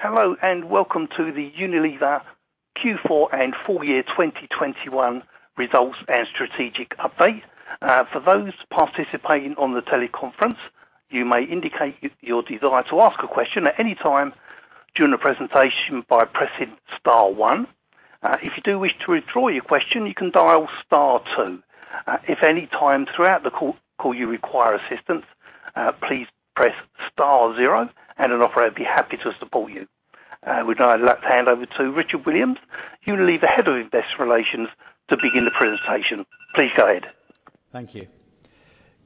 Hello, and welcome to the Unilever Q4 and full year 2021 results and strategic update. For those participating on the teleconference, you may indicate your desire to ask a question at any time during the presentation by pressing star one. If you do wish to withdraw your question, you can dial star two. If at any time throughout the call you require assistance, please press star zero and an operator will be happy to support you. I would now like to hand over to Richard Williams, Unilever's Head of Investor Relations, to begin the presentation. Please go ahead. Thank you.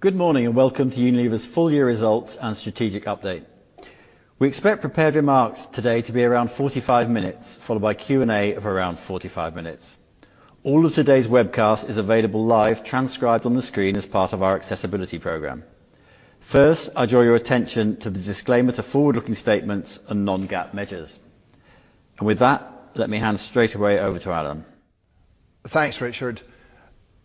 Good morning, and welcome to Unilever's full year results and strategic update. We expect prepared remarks today to be around 45 minutes, followed by Q&A of around 45 minutes. All of today's webcast is available live, transcribed on the screen as part of our accessibility program. First, I draw your attention to the disclaimer to forward-looking statements and non-GAAP measures. With that, let me hand straightaway over to Alan. Thanks, Richard.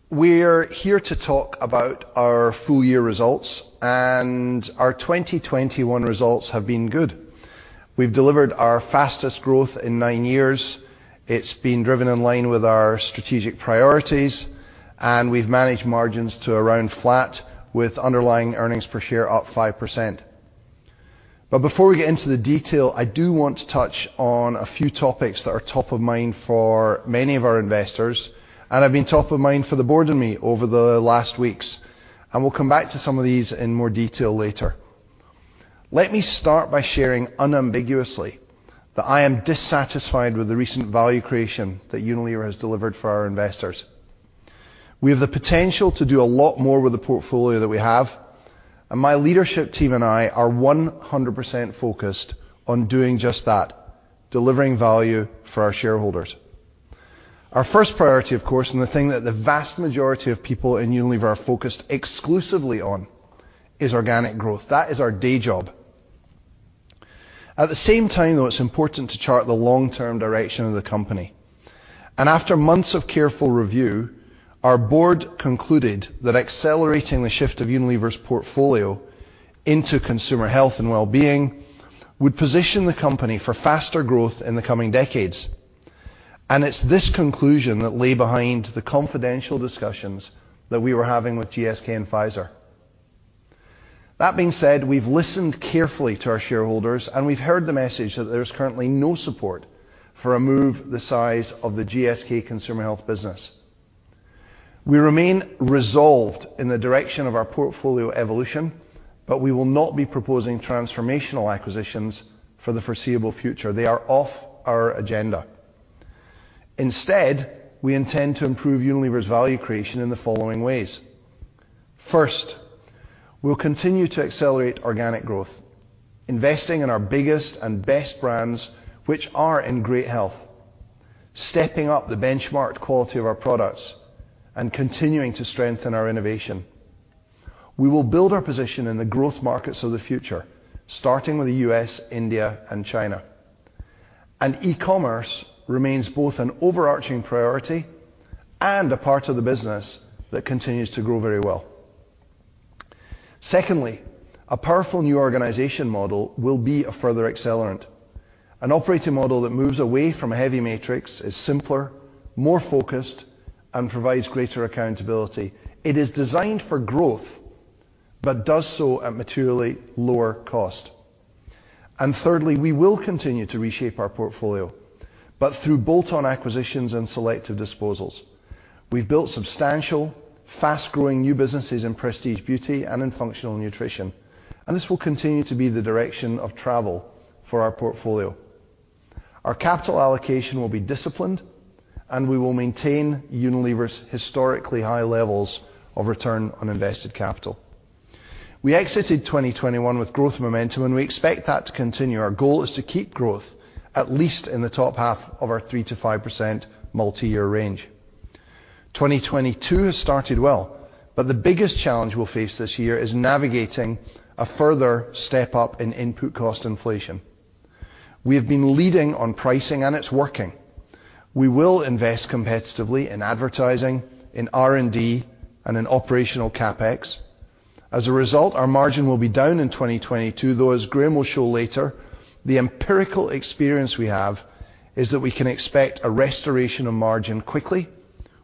We're here to talk about our full year results, and our 2021 results have been good. We've delivered our fastest growth in nine years. It's been driven in line with our strategic priorities, and we've managed margins to around flat with underlying earnings per share up 5%. Before we get into the detail, I do want to touch on a few topics that are top of mind for many of our investors and have been top of mind for the board and me over the last weeks, and we'll come back to some of these in more detail later. Let me start by sharing unambiguously that I am dissatisfied with the recent value creation that Unilever has delivered for our investors. We have the potential to do a lot more with the portfolio that we have, and my leadership team and I are 100% focused on doing just that, delivering value for our shareholders. Our first priority, of course, and the thing that the vast majority of people in Unilever are focused exclusively on is organic growth. That is our day job. At the same time, though, it's important to chart the long-term direction of the company. After months of careful review, our board concluded that accelerating the shift of Unilever's portfolio into consumer health and wellbeing would position the company for faster growth in the coming decades. It's this conclusion that lay behind the confidential discussions that we were having with GSK and Pfizer. That being said, we've listened carefully to our shareholders, and we've heard the message that there's currently no support for a move the size of the GSK Consumer Healthcare business. We remain resolved in the direction of our portfolio evolution, but we will not be proposing transformational acquisitions for the foreseeable future. They are off our agenda. Instead, we intend to improve Unilever's value creation in the following ways. First, we'll continue to accelerate organic growth, investing in our biggest and best brands, which are in great health, stepping up the benchmarked quality of our products, and continuing to strengthen our innovation. We will build our position in the growth markets of the future, starting with the U.S., India, and China. E-commerce remains both an overarching priority and a part of the business that continues to grow very well. Secondly, a powerful new organization model will be a further accelerant, an operating model that moves away from a heavy matrix, is simpler, more focused, and provides greater accountability. It is designed for growth, but does so at materially lower cost. Thirdly, we will continue to reshape our portfolio, but through bolt-on acquisitions and selective disposals. We've built substantial, fast-growing new businesses in prestige beauty and in functional nutrition, and this will continue to be the direction of travel for our portfolio. Our capital allocation will be disciplined, and we will maintain Unilever's historically high levels of return on invested capital. We exited 2021 with growth momentum, and we expect that to continue. Our goal is to keep growth at least in the top half of our 3%-5% multi-year range. 2022 has started well, but the biggest challenge we'll face this year is navigating a further step up in input cost inflation. We have been leading on pricing and it's working. We will invest competitively in advertising, in R&D, and in operational CapEx. As a result, our margin will be down in 2022, though, as Graeme will show later, the empirical experience we have is that we can expect a restoration of margin quickly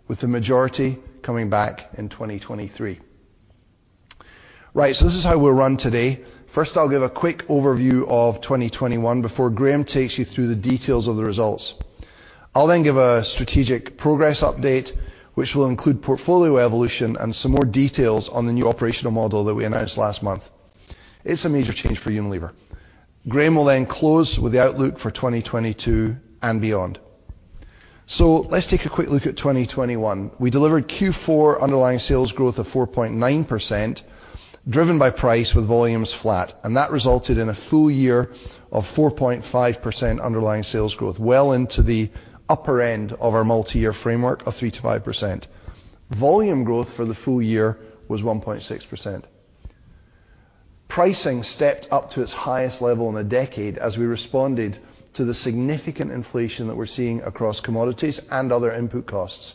with the majority coming back in 2023. Right. This is how we'll run today. First, I'll give a quick overview of 2021 before Graeme takes you through the details of the results. I'll then give a strategic progress update, which will include portfolio evolution and some more details on the new operational model that we announced last month. It's a major change for Unilever. Graeme will then close with the outlook for 2022 and beyond. Let's take a quick look at 2021. We delivered Q4 underlying sales growth of 4.9%, driven by price with volumes flat, and that resulted in a full year of 4.5% underlying sales growth, well into the upper end of our multi-year framework of 3%-5%. Volume growth for the full year was 1.6%. Pricing stepped up to its highest level in a decade as we responded to the significant inflation that we're seeing across commodities and other input costs.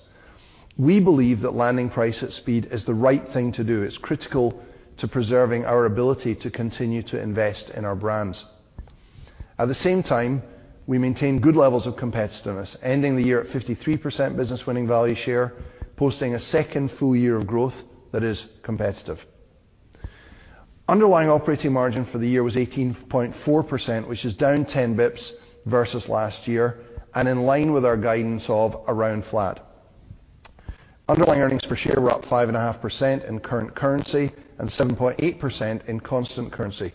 We believe that landing price at speed is the right thing to do. It's critical to preserving our ability to continue to invest in our brands. At the same time, we maintain good levels of competitiveness, ending the year at 53% business winning value share, posting a second full year of growth that is competitive. Underlying operating margin for the year was 18.4%, which is down 10 basis points versus last year and in line with our guidance of around flat. Underlying earnings per share were up 5.5% in current currency and 7.8% in constant currency.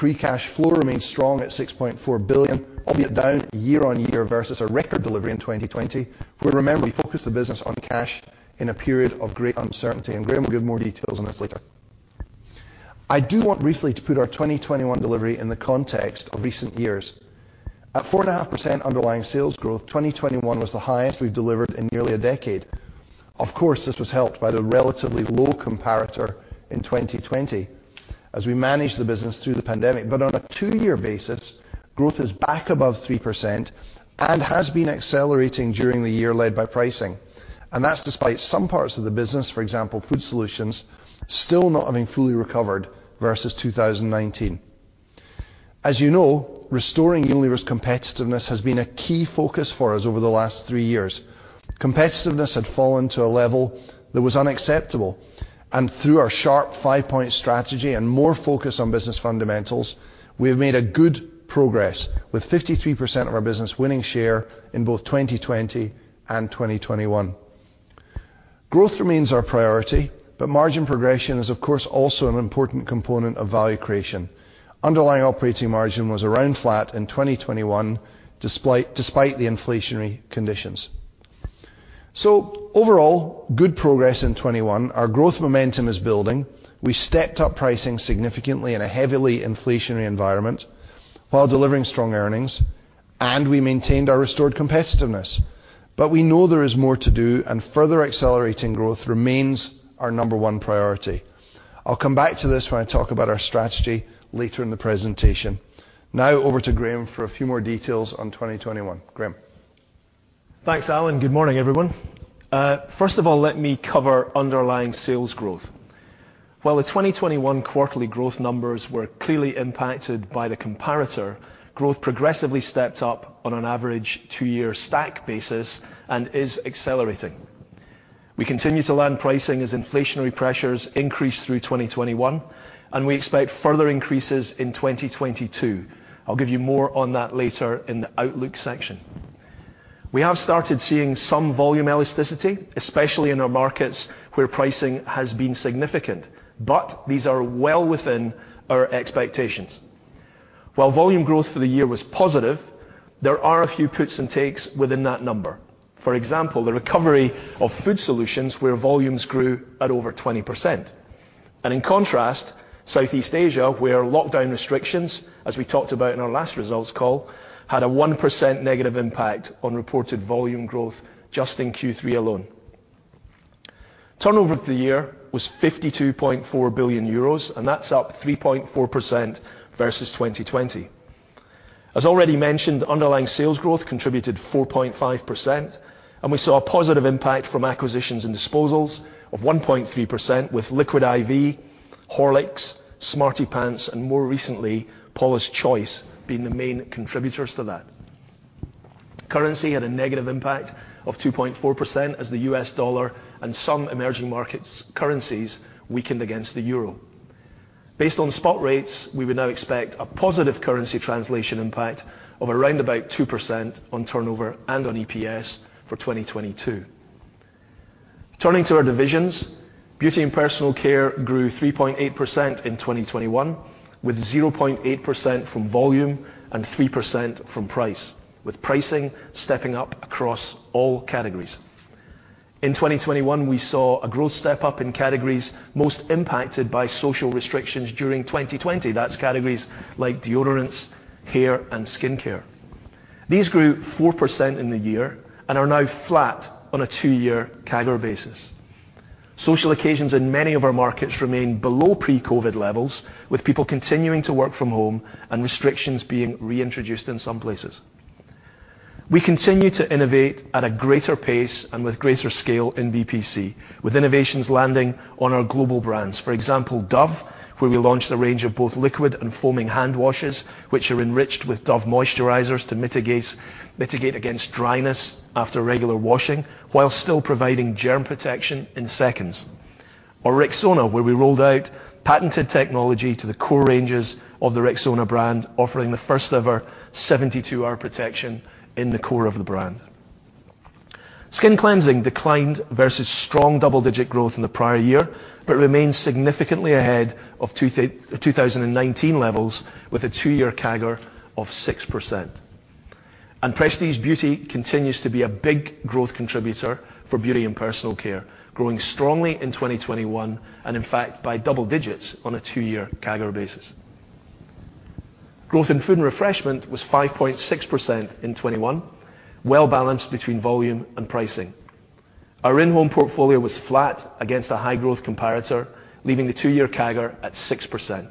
Free cash flow remained strong at 6.4 billion, albeit down year-on-year versus our record delivery in 2020, where remember, we focused the business on cash in a period of great uncertainty, and Graeme will give more details on this later. I do want briefly to put our 2021 delivery in the context of recent years. At 4.5% underlying sales growth, 2021 was the highest we've delivered in nearly a decade. Of course, this was helped by the relatively low comparator in 2020 as we managed the business through the pandemic. On a 2-year basis, growth is back above 3% and has been accelerating during the year led by pricing. That's despite some parts of the business, for example, food solutions, still not having fully recovered versus 2019. As you know, restoring Unilever's competitiveness has been a key focus for us over the last 3 years. Competitiveness had fallen to a level that was unacceptable, and through our sharp 5-point strategy and more focus on business fundamentals, we have made good progress with 53% of our business winning share in both 2020 and 2021. Growth remains our priority, but margin progression is of course also an important component of value creation. Underlying operating margin was around flat in 2021, despite the inflationary conditions. Overall, good progress in 2021. Our growth momentum is building. We stepped up pricing significantly in a heavily inflationary environment while delivering strong earnings, and we maintained our restored competitiveness. We know there is more to do, and further accelerating growth remains our number one priority. I'll come back to this when I talk about our strategy later in the presentation. Now over to Graeme for a few more details on 2021. Graeme. Thanks, Alan. Good morning, everyone. First of all, let me cover underlying sales growth. While the 2021 quarterly growth numbers were clearly impacted by the comparator, growth progressively stepped up on an average 2-year stack basis and is accelerating. We continue to land pricing as inflationary pressures increased through 2021, and we expect further increases in 2022. I'll give you more on that later in the outlook section. We have started seeing some volume elasticity, especially in our markets where pricing has been significant, but these are well within our expectations. While volume growth for the year was positive, there are a few puts and takes within that number. For example, the recovery of Food Solutions where volumes grew at over 20%. In contrast, Southeast Asia, where lockdown restrictions, as we talked about in our last results call, had a 1% negative impact on reported volume growth just in Q3 alone. Turnover for the year was 52.4 billion euros, and that's up 3.4% versus 2020. As already mentioned, underlying sales growth contributed 4.5%, and we saw a positive impact from acquisitions and disposals of 1.3% with Liquid I.V., Horlicks, SmartyPants, and more recently, Paula's Choice being the main contributors to that. Currency had a negative impact of 2.4% as the US dollar and some emerging markets currencies weakened against the euro. Based on spot rates, we would now expect a positive currency translation impact of around about 2% on turnover and on EPS for 2022. Turning to our divisions, Beauty and Personal Care grew 3.8% in 2021, with 0.8% from volume and 3% from price, with pricing stepping up across all categories. In 2021, we saw a growth step up in categories most impacted by social restrictions during 2020. That's categories like deodorants, hair, and skincare. These grew 4% in the year and are now flat on a 2-year CAGR basis. Social occasions in many of our markets remain below pre-COVID levels, with people continuing to work from home and restrictions being reintroduced in some places. We continue to innovate at a greater pace and with greater scale in BPC, with innovations landing on our global brands. For example, Dove, where we launched a range of both liquid and foaming hand washes, which are enriched with Dove moisturizers to mitigate against dryness after regular washing while still providing germ protection in seconds. Or Rexona, where we rolled out patented technology to the core ranges of the Rexona brand, offering the first ever 72-hour protection in the core of the brand. Skin cleansing declined versus strong double-digit growth in the prior year, but remains significantly ahead of 2019 levels with a two-year CAGR of 6%. Prestige beauty continues to be a big growth contributor for beauty and personal care, growing strongly in 2021, and in fact, by double digits on a two-year CAGR basis. Growth in food and refreshment was 5.6% in 2021, well-balanced between volume and pricing. Our in-home portfolio was flat against a high growth comparator, leaving the two-year CAGR at 6%.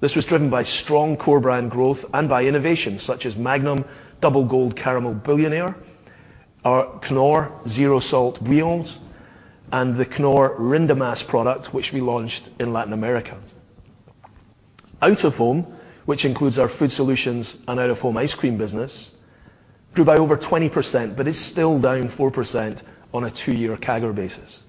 This was driven by strong core brand growth and by innovation such as Magnum Double Gold Caramel Billionaire, our Knorr Zero Salt Meals, and the Knorr Rinde Más product which we launched in Latin America. Out of home, which includes our food solutions and out of home ice cream business, grew by over 20%, but is still down 4% on a two-year CAGR basis.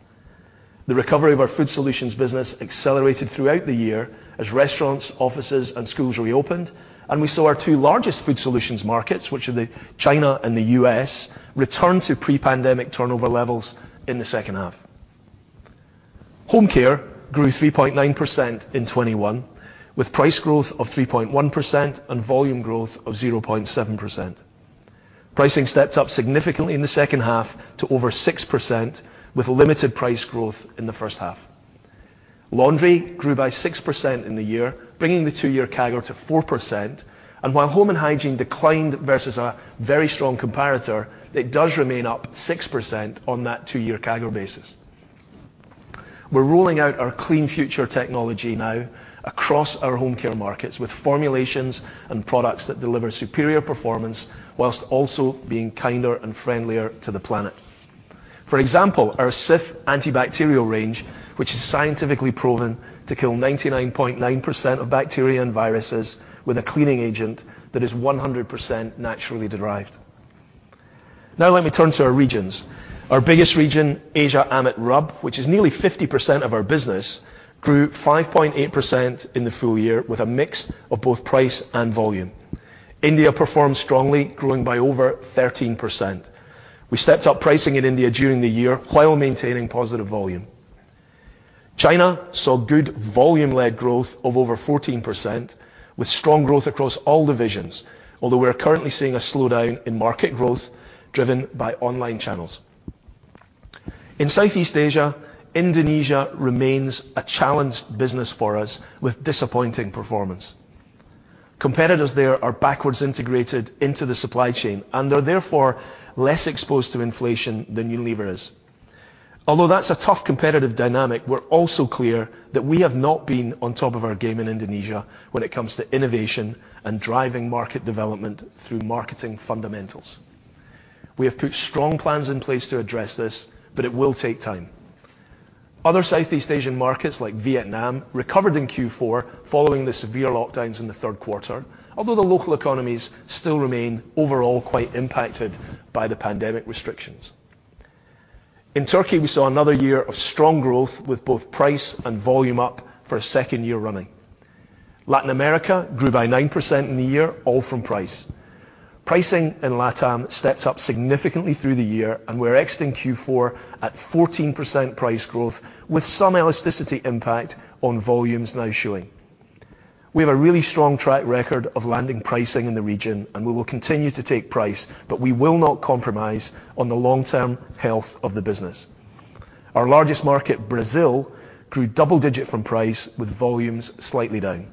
The recovery of our food solutions business accelerated throughout the year as restaurants, offices, and schools reopened, and we saw our two largest food solutions markets, which are China and the U.S., return to pre-pandemic turnover levels in the Q2. Home care grew 3.9% in 2021, with price growth of 3.1% and volume growth of 0.7%. Pricing stepped up significantly in the Q2 to over 6% with limited price growth in the H1. Laundry grew by 6% in the year, bringing the two-year CAGR to 4%. While home and hygiene declined versus a very strong comparator, it does remain up 6% on that two-year CAGR basis. We're rolling out our Clean Future technology now across our home care markets with formulations and products that deliver superior performance while also being kinder and friendlier to the planet. For example, our Cif antibacterial range, which is scientifically proven to kill 99.9% of bacteria and viruses with a cleaning agent that is 100% naturally derived. Now let me turn to our regions. Our biggest region, Asia/AMET/RUB, which is nearly 50% of our business, grew 5.8% in the full year with a mix of both price and volume. India performed strongly, growing by over 13%. We stepped up pricing in India during the year while maintaining positive volume. China saw good volume-led growth of over 14%, with strong growth across all divisions, although we are currently seeing a slowdown in market growth driven by online channels. In Southeast Asia, Indonesia remains a challenged business for us with disappointing performance. Competitors there are backward integrated into the supply chain, and they are therefore less exposed to inflation than Unilever is. Although that's a tough competitive dynamic, we're also clear that we have not been on top of our game in Indonesia when it comes to innovation and driving market development through marketing fundamentals. We have put strong plans in place to address this, but it will take time. Other Southeast Asian markets like Vietnam recovered in Q4 following the severe lockdowns in the Q3, although the local economies still remain overall quite impacted by the pandemic restrictions. In Turkey, we saw another year of strong growth with both price and volume up for a second year running. Latin America grew by 9% in the year, all from price. Pricing in Latam stepped up significantly through the year, and we're exiting Q4 at 14% price growth with some elasticity impact on volumes now showing. We have a really strong track record of landing pricing in the region, and we will continue to take price, but we will not compromise on the long-term health of the business. Our largest market, Brazil, grew double-digit from price with volumes slightly down.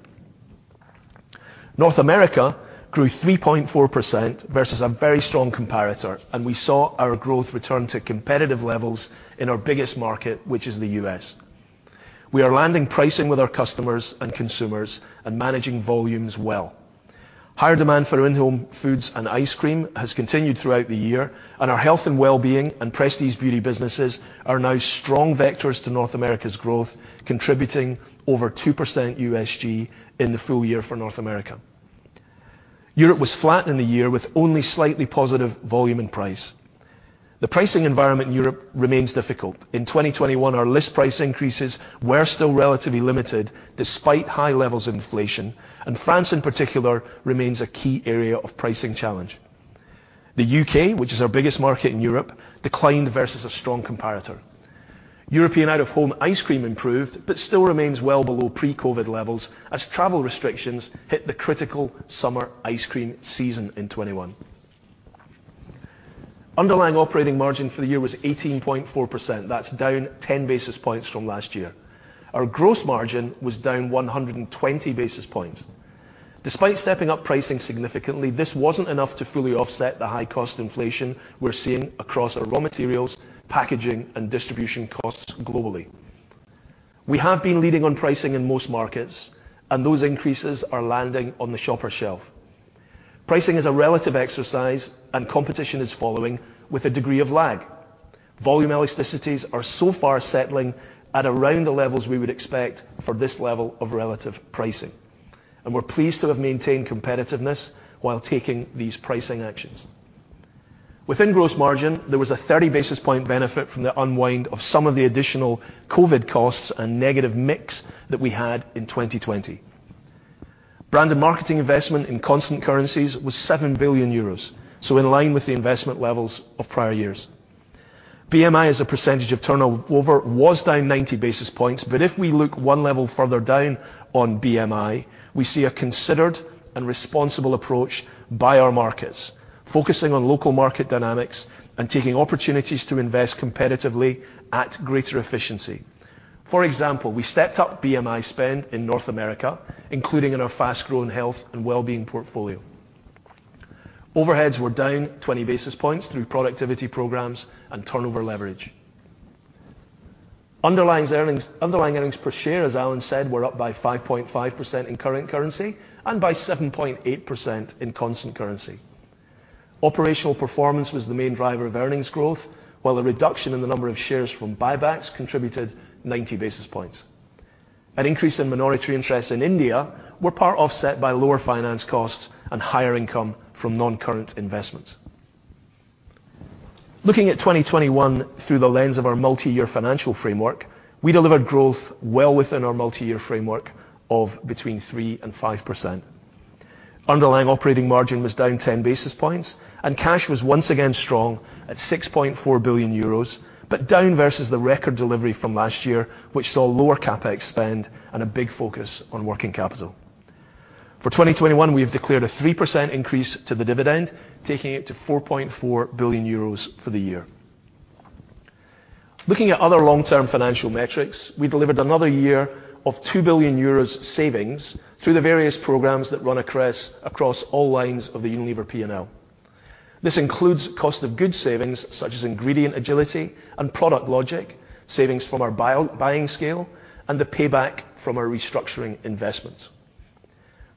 North America grew 3.4% versus a very strong comparator, and we saw our growth return to competitive levels in our biggest market, which is the U.S. We are landing pricing with our customers and consumers and managing volumes well. Higher demand for in-home foods and ice cream has continued throughout the year, and our health and wellbeing and prestige beauty businesses are now strong vectors to North America's growth, contributing over 2% USG in the full year for North America. Europe was flat in the year with only slightly positive volume and price. The pricing environment in Europe remains difficult. In 2021, our list price increases were still relatively limited despite high levels of inflation, and France in particular remains a key area of pricing challenge. The U.K., which is our biggest market in Europe, declined versus a strong comparator. European out of home ice cream improved, but still remains well below pre-COVID levels as travel restrictions hit the critical summer ice cream season in 2021. Underlying operating margin for the year was 18.4%. That's down 10 basis points from last year. Our gross margin was down 120 basis points. Despite stepping up pricing significantly, this wasn't enough to fully offset the high cost inflation we're seeing across our raw materials, packaging, and distribution costs globally. We have been leading on pricing in most markets and those increases are landing on the shopper shelf. Pricing is a relative exercise and competition is following with a degree of lag. Volume elasticities are so far settling at around the levels we would expect for this level of relative pricing, and we're pleased to have maintained competitiveness while taking these pricing actions. Within gross margin, there was a 30 basis point benefit from the unwind of some of the additional COVID costs and negative mix that we had in 2020. Brand and marketing investment in constant currencies was 7 billion euros, so in line with the investment levels of prior years. BMI as a percentage of turnover was down 90 basis points, but if we look one level further down on BMI, we see a considered and responsible approach by our markets, focusing on local market dynamics and taking opportunities to invest competitively at greater efficiency. For example, we stepped up BMI spend in North America, including in our fast-growing health and wellbeing portfolio. Overheads were down 20 basis points through productivity programs and turnover leverage. Underlying earnings, underlying earnings per share, as Alan said, were up by 5.5% in current currency and by 7.8% in constant currency. Operational performance was the main driver of earnings growth, while the reduction in the number of shares from buybacks contributed 90 basis points. An increase in minority interests in India were part offset by lower finance costs and higher income from non-current investments. Looking at 2021 through the lens of our multi-year financial framework, we delivered growth well within our multi-year framework of between 3%-5%. Underlying operating margin was down 10 basis points, and cash was once again strong at 6.4 billion euros, but down versus the record delivery from last year, which saw lower CapEx spend and a big focus on working capital. For 2021, we have declared a 3% increase to the dividend, taking it to 4.4 billion euros for the year. Looking at other long-term financial metrics, we delivered another year of 2 billion euros savings through the various programs that run across all lines of the Unilever P&L. This includes cost of goods savings such as ingredient agility and product logic, savings from our buying scale, and the payback from our restructuring investments.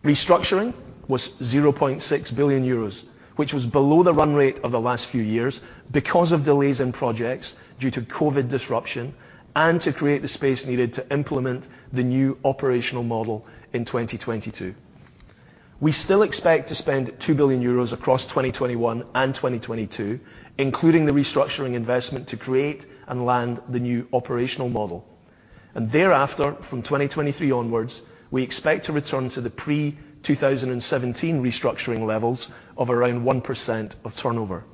Restructuring was 0.6 billion euros, which was below the run rate of the last few years because of delays in projects due to COVID disruption and to create the space needed to implement the new operational model in 2022. We still expect to spend 2 billion euros across 2021 and 2022, including the restructuring investment to create and land the new operational model. Thereafter, from 2023 onwards, we expect to return to the pre-2017 restructuring levels of around 1% of turnover.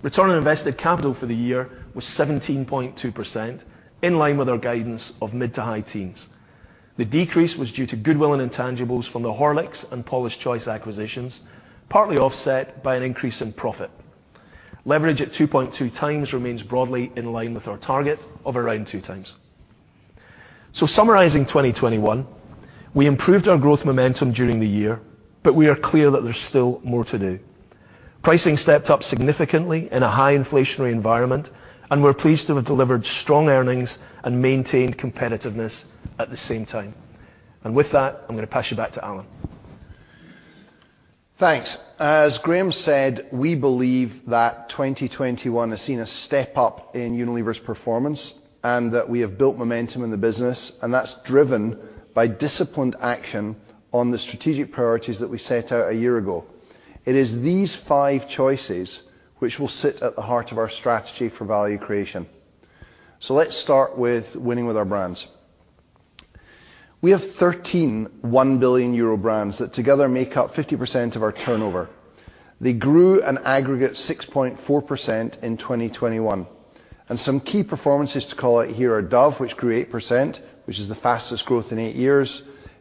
Return on invested capital for the year was 17.2%, in line with our guidance of mid- to high teens. The decrease was due to goodwill and intangibles from the Horlicks and Paula's Choice acquisitions, partly offset by an increase in profit. Leverage at 2.2 times remains broadly in line with our target of around 2 times. Summarising 2021, we improved our growth momentum during the year, but we are clear that there's still more to do. Pricing stepped up significantly in a high inflationary environment, and we're pleased to have delivered strong earnings and maintained competitiveness at the same time. With that, I'm going to pass you back to Alan. Thanks. As Graeme said, we believe that 2021 has seen a step up in Unilever's performance, and that we have built momentum in the business, and that's driven by disciplined action on the strategic priorities that we set out a year ago. It is these five choices which will sit at the heart of our strategy for value creation. Let's start with winning with our brands. We have 13 one billion euro brands that together make up 50% of our turnover. They grew an aggregate 6.4% in 2021, and some key performances to call out here are Dove, which grew 8%,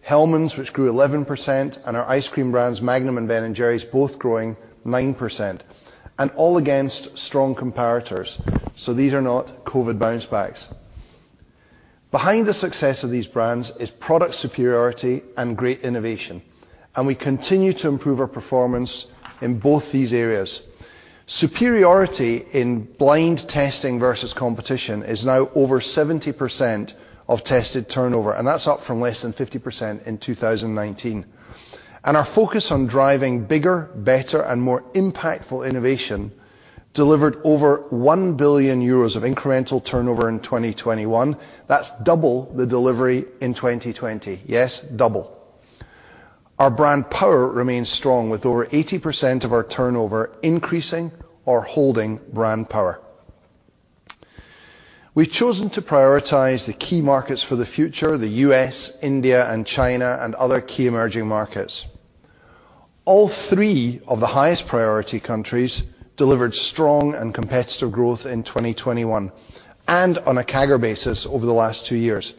Hellmann's, which grew 11%, and our ice cream brands, Magnum and Ben & Jerry's, both growing 9%, and all against strong comparators. These are not COVID bounce backs. Behind the success of these brands is product superiority and great innovation, and we continue to improve our performance in both these areas. Superiority in blind testing versus competition is now over 70% of tested turnover, and that's up from less than 50% in 2019. Our focus on driving bigger, better, and more impactful innovation delivered over 1 billion euros of incremental turnover in 2021. That's double the delivery in 2020. Yes, double. Our brand power remains strong with over 80% of our turnover increasing or holding brand power. We've chosen to prioritize the key markets for the future, the U.S., India, and China, and other key emerging markets. All three of the highest priority countries delivered strong and competitive growth in 2021 and on a CAGR basis over the last two years.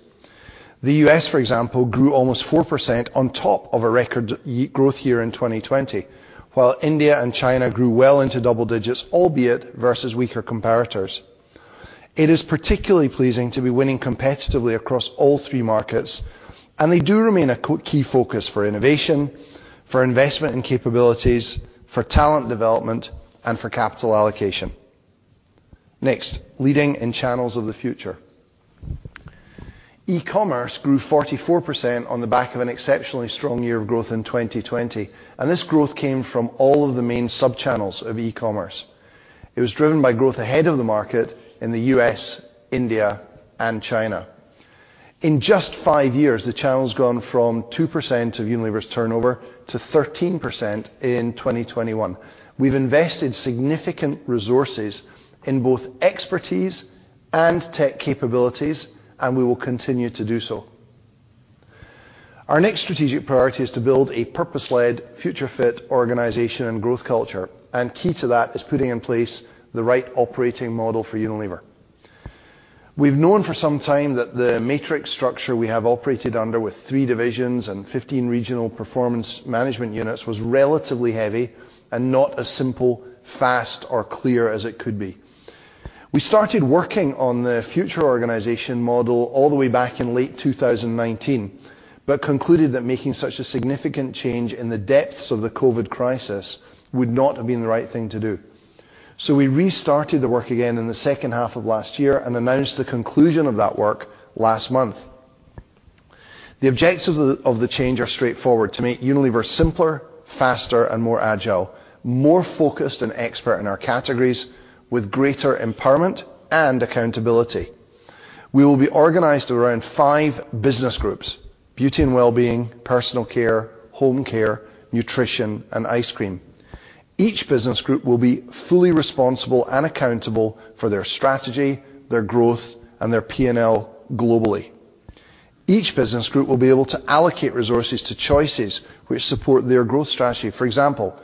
The U.S., for example, grew almost 4% on top of a record growth year in 2020, while India and China grew well into double digits, albeit versus weaker comparators. It is particularly pleasing to be winning competitively across all three markets, and they do remain a key focus for innovation, for investment in capabilities, for talent development, and for capital allocation. Next, leading in channels of the future. E-commerce grew 44% on the back of an exceptionally strong year of growth in 2020, and this growth came from all of the main sub-channels of e-commerce. It was driven by growth ahead of the market in the U.S., India, and China. In just five years, the channel's gone from 2% of Unilever's turnover to 13% in 2021. We've invested significant resources in both expertise and tech capabilities, and we will continue to do so. Our next strategic priority is to build a purpose-led, future-fit organization and growth culture, and key to that is putting in place the right operating model for Unilever. We've known for some time that the matrix structure we have operated under with three divisions and 15 regional performance management units was relatively heavy and not as simple, fast, or clear as it could be. We started working on the future organization model all the way back in late 2019. We concluded that making such a significant change in the depths of the COVID crisis would not have been the right thing to do. We restarted the work again in the Q2 of last year and announced the conclusion of that work last month. The objectives of the change are straightforward, to make Unilever simpler, faster, and more agile, more focused and expert in our categories with greater empowerment and accountability. We will be organized around five business groups, Beauty and Wellbeing, Personal Care, Home Care, Nutrition, and Ice Cream. Each business group will be fully responsible and accountable for their strategy, their growth, and their P&L globally. Each business group will be able to allocate resources to choices which support their growth strategy. For example,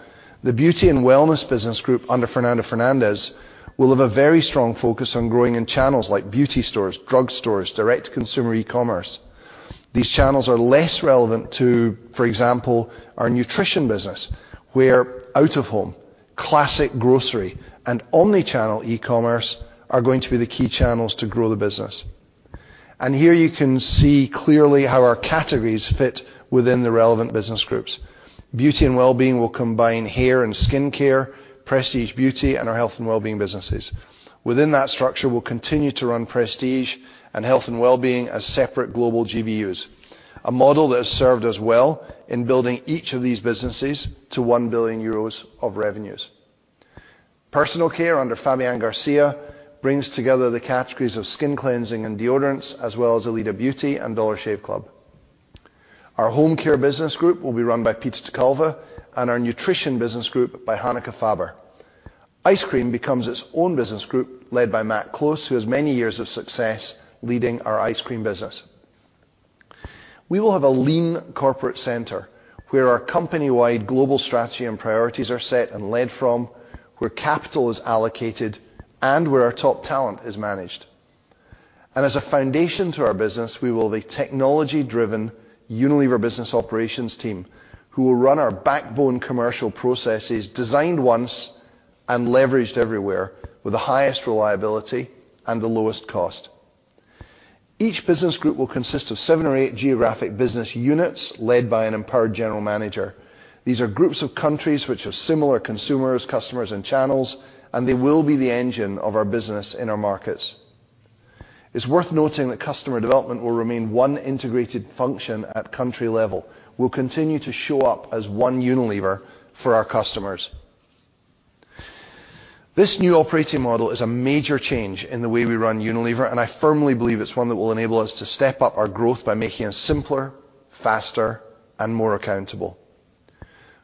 the Beauty and Wellbeing business group under Fernando Fernandez will have a very strong focus on growing in channels like beauty stores, drug stores, direct-to-consumer e-commerce. These channels are less relevant to, for example, our nutrition business, where out-of-home, classic grocery, and omni-channel e-commerce are going to be the key channels to grow the business. Here you can see clearly how our categories fit within the relevant business groups. Beauty and Wellbeing will combine hair and skincare, Prestige Beauty, and our health and wellbeing businesses. Within that structure, we'll continue to run Prestige and health and wellbeing as separate global GBUs, a model that has served us well in building each of these businesses to 1 billion euros of revenues. Personal Care under Fabian Garcia brings together the categories of skin cleansing and deodorants, as well as Elida Beauty and Dollar Shave Club. Our Home Care business group will be run by Peter ter Kulve, and our Nutrition business group by Hanneke Faber. Ice Cream becomes its own business group led by Matt Close, who has many years of success leading our ice cream business. We will have a lean corporate center where our company-wide global strategy and priorities are set and led from, where capital is allocated, and where our top talent is managed. As a foundation to our business, we will have a technology-driven Unilever business operations team who will run our backbone commercial processes designed once and leveraged everywhere with the highest reliability and the lowest cost. Each business group will consist of seven or eight geographic business units led by an empowered general manager. These are groups of countries which have similar consumers, customers, and channels, and they will be the engine of our business in our markets. It's worth noting that customer development will remain one integrated function at country level, will continue to show up as one Unilever for our customers. This new operating model is a major change in the way we run Unilever, and I firmly believe it's one that will enable us to step up our growth by making us simpler, faster, and more accountable.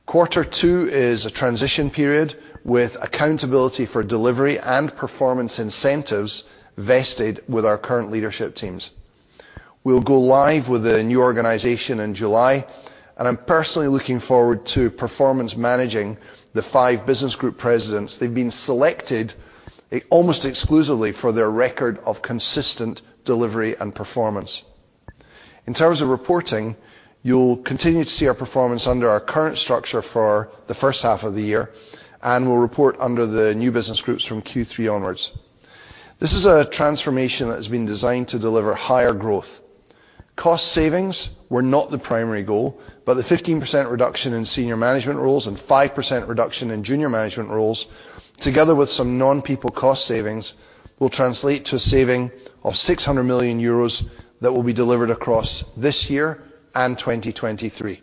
Quarter two is a transition period with accountability for delivery and performance incentives vested with our current leadership teams. We'll go live with the new organization in July, and I'm personally looking forward to performance managing the five business group presidents. They've been selected almost exclusively for their record of consistent delivery and performance. In terms of reporting, you'll continue to see our performance under our current structure for the H1 of the year, and we'll report under the new business groups from Q3 onwards. This is a transformation that has been designed to deliver higher growth. Cost savings were not the primary goal, but the 15% reduction in senior management roles and 5% reduction in junior management roles, together with some non-people cost savings, will translate to a saving of 600 million euros that will be delivered across this year and 2023.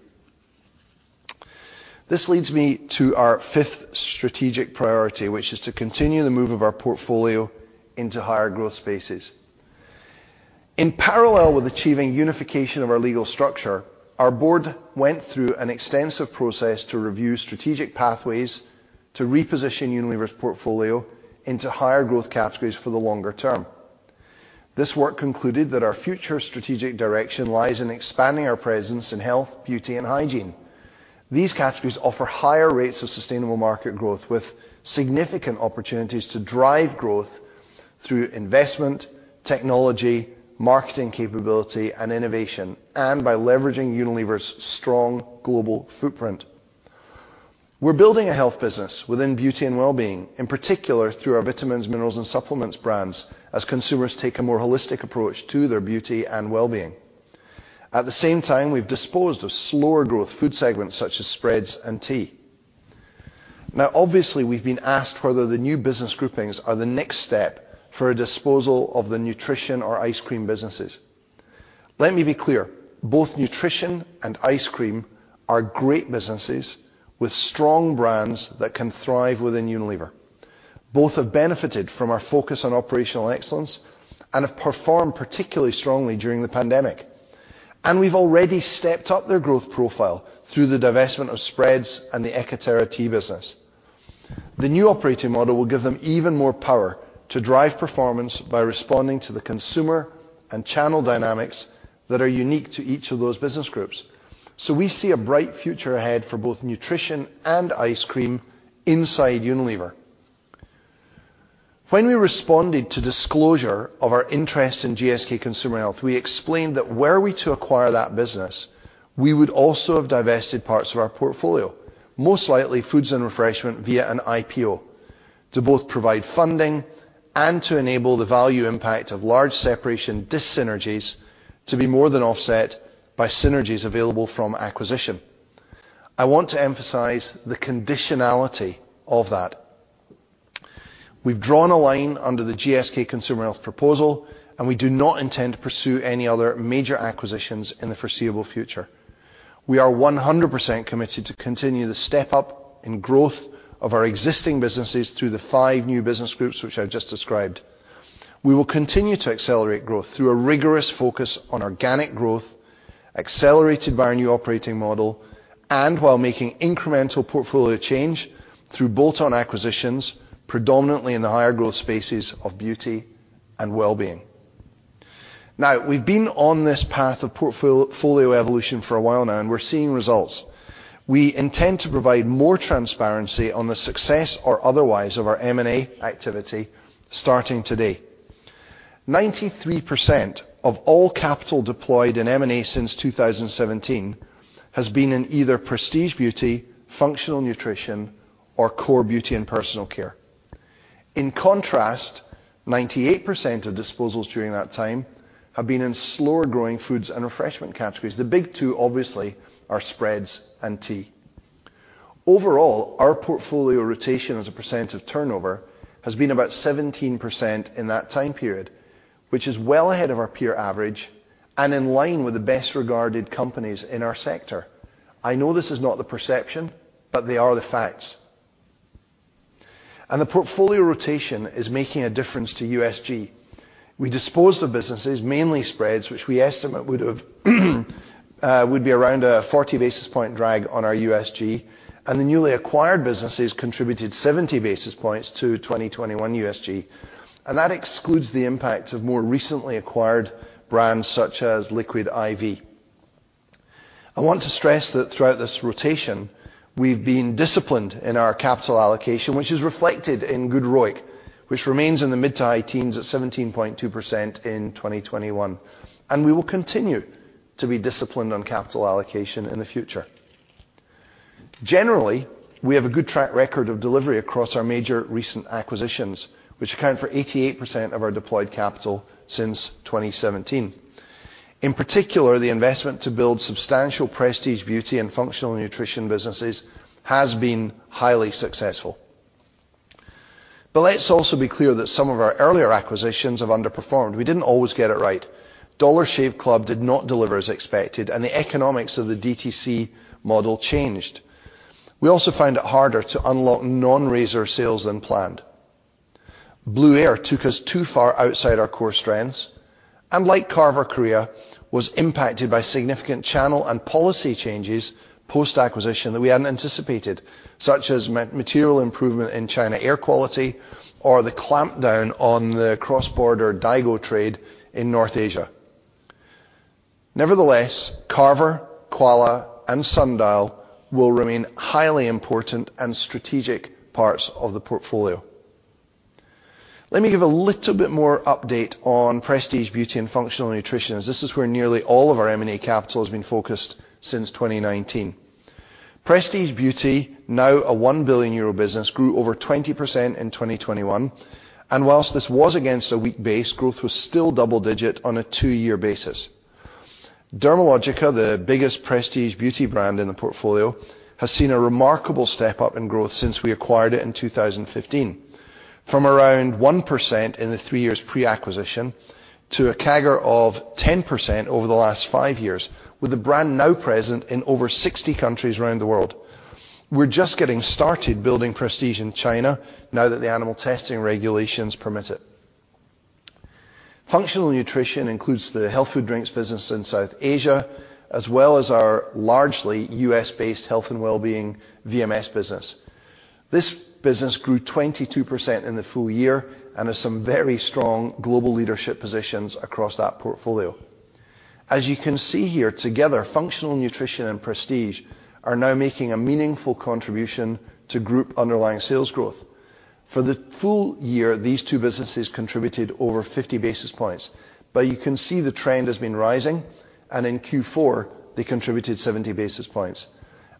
This leads me to our fifth strategic priority, which is to continue the move of our portfolio into higher growth spaces. In parallel with achieving unification of our legal structure, our board went through an extensive process to review strategic pathways to reposition Unilever's portfolio into higher growth categories for the longer term. This work concluded that our future strategic direction lies in expanding our presence in health, beauty, and hygiene. These categories offer higher rates of sustainable market growth with significant opportunities to drive growth through investment, technology, marketing capability, and innovation, and by leveraging Unilever's strong global footprint. We're building a health business within beauty and wellbeing, in particular through our vitamins, minerals, and supplements brands as consumers take a more holistic approach to their beauty and wellbeing. At the same time, we've disposed of slower growth food segments such as spreads and tea. Now, obviously, we've been asked whether the new business groupings are the next step for a disposal of the nutrition or ice cream businesses. Let me be clear. Both nutrition and ice cream are great businesses with strong brands that can thrive within Unilever. Both have benefited from our focus on operational excellence and have performed particularly strongly during the pandemic. We've already stepped up their growth profile through the divestment of spreads and the ekaterra tea business. The new operating model will give them even more power to drive performance by responding to the consumer and channel dynamics that are unique to each of those business groups. We see a bright future ahead for both Nutrition and Ice Cream inside Unilever. When we responded to disclosure of our interest in GSK Consumer Healthcare, we explained that were we to acquire that business, we would also have divested parts of our portfolio, most likely Foods and Refreshment via an IPO to both provide funding and to enable the value impact of large separation dis-synergies to be more than offset by synergies available from acquisition. I want to emphasize the conditionality of that. We've drawn a line under the GSK Consumer Healthcare proposal, and we do not intend to pursue any other major acquisitions in the foreseeable future. We are 100% committed to continue the step up in growth of our existing businesses through the five new business groups, which I just described. We will continue to accelerate growth through a rigorous focus on organic growth, accelerated by our new operating model, and while making incremental portfolio change through bolt-on acquisitions, predominantly in the higher growth spaces of beauty and wellbeing. Now, we've been on this path of portfolio evolution for a while now, and we're seeing results. We intend to provide more transparency on the success or otherwise of our M&A activity starting today. 93% of all capital deployed in M&A since 2017 has been in either prestige beauty, functional nutrition, or core beauty and personal care. In contrast, 98% of disposals during that time have been in slower-growing foods and refreshment categories. The big two, obviously, are spreads and tea. Overall, our portfolio rotation as a percent of turnover has been about 17% in that time period, which is well ahead of our peer average and in line with the best-regarded companies in our sector. I know this is not the perception, but they are the facts. The portfolio rotation is making a difference to USG. We disposed of businesses, mainly spreads, which we estimate would be around a 40 basis points drag on our USG, and the newly acquired businesses contributed 70 basis points to 2021 USG. That excludes the impact of more recently acquired brands such as Liquid I.V. I want to stress that throughout this rotation, we've been disciplined in our capital allocation, which is reflected in good ROIC, which remains in the mid- to high teens at 17.2% in 2021, and we will continue to be disciplined on capital allocation in the future. Generally, we have a good track record of delivery across our major recent acquisitions, which account for 88% of our deployed capital since 2017. In particular, the investment to build substantial prestige beauty and functional nutrition businesses has been highly successful. Let's also be clear that some of our earlier acquisitions have underperformed. We didn't always get it right. Dollar Shave Club did not deliver as expected, and the economics of the DTC model changed. We also found it harder to unlock non-razor sales than planned. Blueair took us too far outside our core strengths, and like Carver Korea, was impacted by significant channel and policy changes post-acquisition that we hadn't anticipated, such as material improvement in China air quality or the clampdown on the cross-border daigou trade in North Asia. Nevertheless, Carver, Quala, and Sundial will remain highly important and strategic parts of the portfolio. Let me give a little bit more update on prestige beauty and functional nutrition, as this is where nearly all of our M&A capital has been focused since 2019. Prestige beauty, now a 1 billion euro business, grew over 20% in 2021, and while this was against a weak base, growth was still double-digit on a 2-year basis. Dermalogica, the biggest prestige beauty brand in the portfolio, has seen a remarkable step-up in growth since we acquired it in 2015. From around 1% in the 3 years pre-acquisition to a CAGR of 10% over the last 5 years, with the brand now present in over 60 countries around the world. We're just getting started building prestige in China now that the animal testing regulations permit it. Functional nutrition includes the health food drinks business in South Asia, as well as our largely U.S.-based health and wellbeing VMS business. This business grew 22% in the full year and has some very strong global leadership positions across that portfolio. As you can see here, together, functional nutrition and prestige are now making a meaningful contribution to group underlying sales growth. For the full year, these two businesses contributed over 50 basis points, but you can see the trend has been rising, and in Q4, they contributed 70 basis points.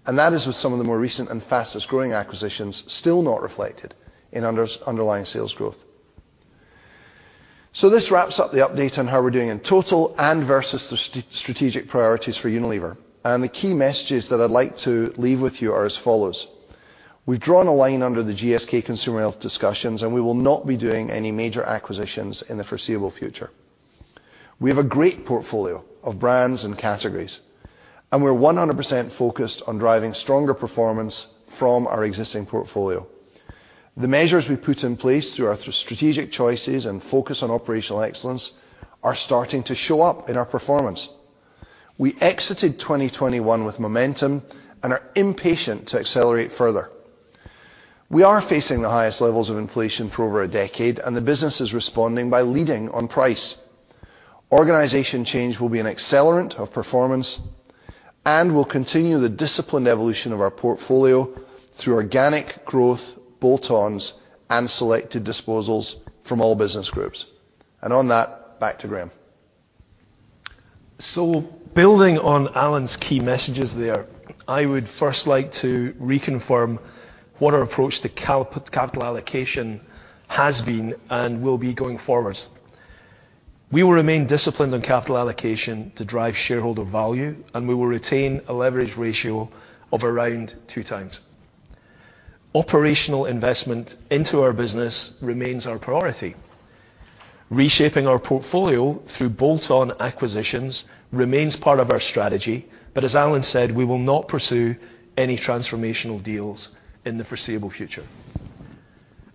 That is with some of the more recent and fastest-growing acquisitions still not reflected in underlying sales growth. This wraps up the update on how we're doing in total and versus the strategic priorities for Unilever. The key messages that I'd like to leave with you are as follows. We've drawn a line under the GSK Consumer Healthcare discussions, and we will not be doing any major acquisitions in the foreseeable future. We have a great portfolio of brands and categories, and we're 100% focused on driving stronger performance from our existing portfolio. The measures we put in place through our strategic choices and focus on operational excellence are starting to show up in our performance. We exited 2021 with momentum and are impatient to accelerate further. We are facing the highest levels of inflation for over a decade, and the business is responding by leading on price. Organizational change will be an accelerant of performance, and we'll continue the disciplined evolution of our portfolio through organic growth, bolt-ons, and selected disposals from all business groups. On that, back to Graeme. Building on Alan's key messages there, I would first like to reconfirm what our approach to capital allocation has been and will be going forward. We will remain disciplined on capital allocation to drive shareholder value, and we will retain a leverage ratio of around 2x. Operational investment into our business remains our priority. Reshaping our portfolio through bolt-on acquisitions remains part of our strategy, but as Alan said, we will not pursue any transformational deals in the foreseeable future.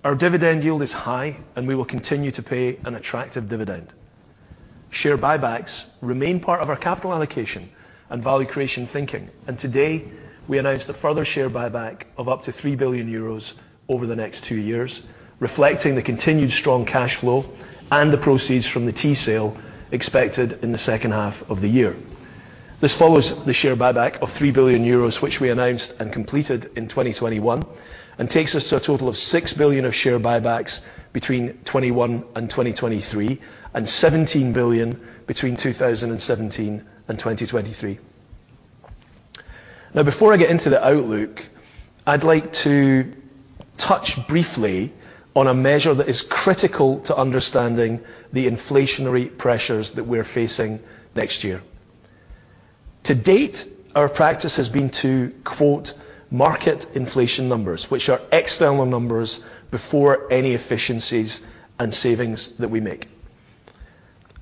Our dividend yield is high, and we will continue to pay an attractive dividend. Share buybacks remain part of our capital allocation and value creation thinking, and today we announced a further share buyback of up to 3 billion euros over the next 2 years, reflecting the continued strong cash flow and the proceeds from the tea sale expected in the Q2 of the year. This follows the share buyback of 3 billion euros, which we announced and completed in 2021 and takes us to a total of 6 billion of share buybacks between 2021 and 2023 and 17 billion between 2017 and 2023. Now, before I get into the outlook, I'd like to touch briefly on a measure that is critical to understanding the inflationary pressures that we're facing next year. To date, our practice has been to quote market inflation numbers, which are external numbers before any efficiencies and savings that we make.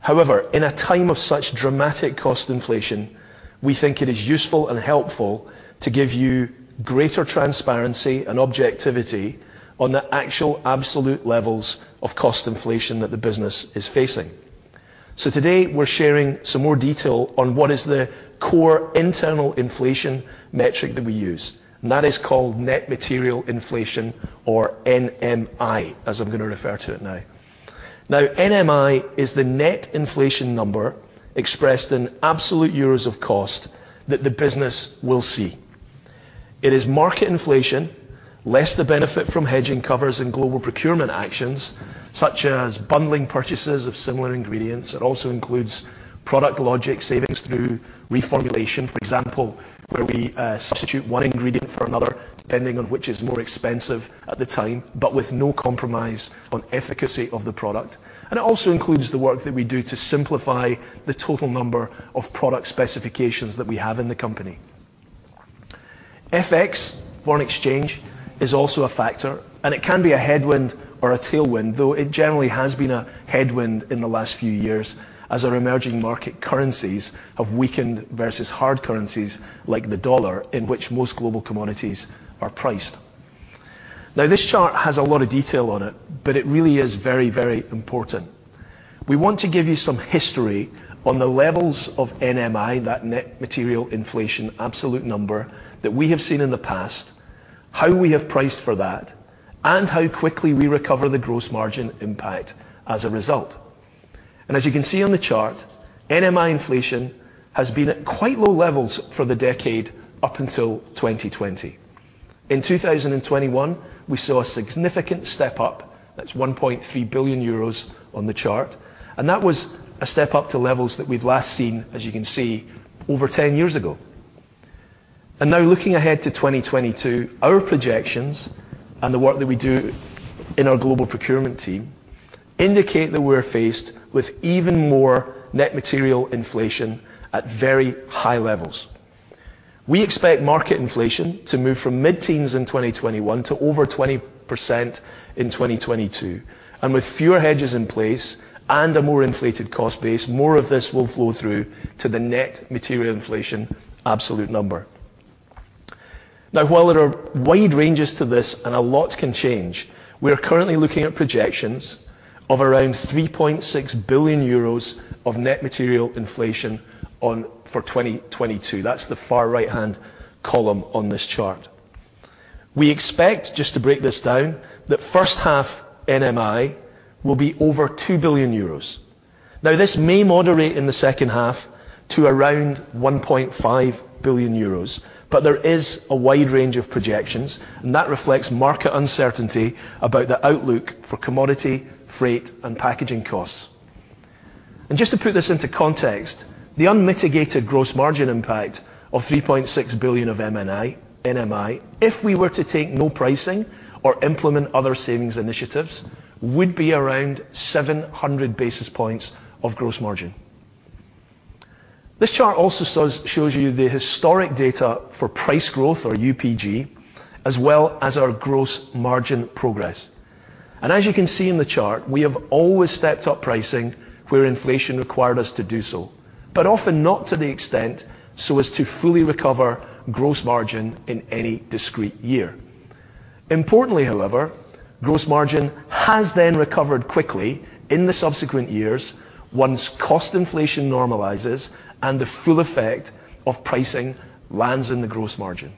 However, in a time of such dramatic cost inflation, we think it is useful and helpful to give you greater transparency and objectivity on the actual absolute levels of cost inflation that the business is facing. Today we're sharing some more detail on what is the core internal inflation metric that we use, and that is called Net Material Inflation or NMI, as I'm gonna refer to it now. Now NMI is the net inflation number expressed in absolute euros of cost that the business will see. It is market inflation, less the benefit from hedging covers and global procurement actions such as bundling purchases of similar ingredients. It also includes product logic savings through reformulation, for example, where we substitute one ingredient for another, depending on which is more expensive at the time, but with no compromise on efficacy of the product. It also includes the work that we do to simplify the total number of product specifications that we have in the company. FX, foreign exchange, is also a factor, and it can be a headwind or a tailwind, though it generally has been a headwind in the last few years as our emerging market currencies have weakened versus hard currencies like the dollar in which most global commodities are priced. Now this chart has a lot of detail on it, but it really is very, very important. We want to give you some history on the levels of NMI, that net material inflation absolute number that we have seen in the past, how we have priced for that, and how quickly we recover the gross margin impact as a result. As you can see on the chart, NMI inflation has been at quite low levels for the decade up until 2020. In 2021, we saw a significant step up. That's 1.3 billion euros on the chart, and that was a step up to levels that we've last seen, as you can see, over 10 years ago. Now looking ahead to 2022, our projections and the work that we do in our global procurement team indicate that we're faced with even more net material inflation at very high levels. We expect market inflation to move from mid-teens in 2021 to over 20% in 2022, and with fewer hedges in place and a more inflated cost base, more of this will flow through to the net material inflation absolute number. Now, while there are wide ranges to this and a lot can change, we are currently looking at projections of around 3.6 billion euros of net material inflation for 2022. That's the far right-hand column on this chart. We expect, just to break this down, that H1 NMI will be over 2 billion euros. Now, this may moderate in the Q2 to around 1.5 billion euros, but there is a wide range of projections, and that reflects market uncertainty about the outlook for commodity, freight, and packaging costs. Just to put this into context, the unmitigated gross margin impact of 3.6 billion of NMI, if we were to take no pricing or implement other savings initiatives, would be around 700 basis points of gross margin. This chart also shows you the historic data for price growth or UPG, as well as our gross margin progress. As you can see in the chart, we have always stepped up pricing where inflation required us to do so, but often not to the extent so as to fully recover gross margin in any discrete year. Importantly, however, gross margin has then recovered quickly in the subsequent years once cost inflation normalizes and the full effect of pricing lands in the gross margin.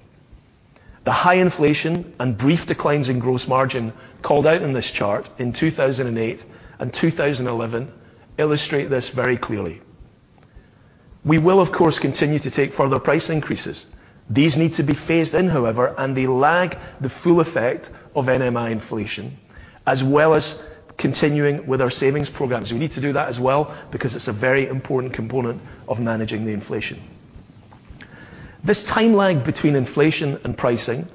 The high inflation and brief declines in gross margin called out in this chart in 2008 and 2011 illustrate this very clearly. We will, of course, continue to take further price increases. These need to be phased in, however, and they lag the full effect of NMI inflation, as well as continuing with our savings programs. We need to do that as well because it's a very important component of managing the inflation. This timeline between inflation and pricing,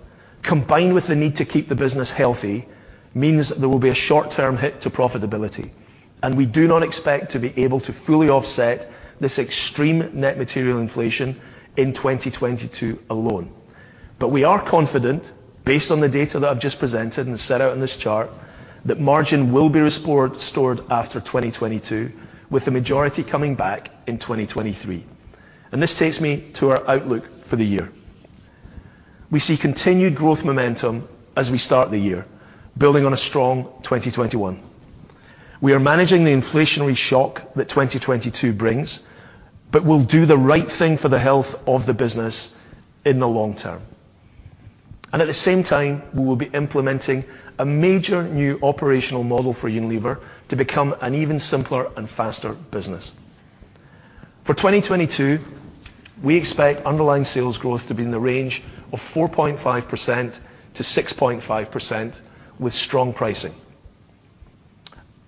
combined with the need to keep the business healthy, means there will be a short-term hit to profitability, and we do not expect to be able to fully offset this extreme net material inflation in 2022 alone. We are confident, based on the data that I've just presented and set out in this chart, that margin will be restored after 2022 with the majority coming back in 2023. This takes me to our outlook for the year. We see continued growth momentum as we start the year, building on a strong 2021. We are managing the inflationary shock that 2022 brings, but we'll do the right thing for the health of the business in the long term. At the same time, we will be implementing a major new operational model for Unilever to become an even simpler and faster business. For 2022, we expect underlying sales growth to be in the range of 4.5%-6.5% with strong pricing.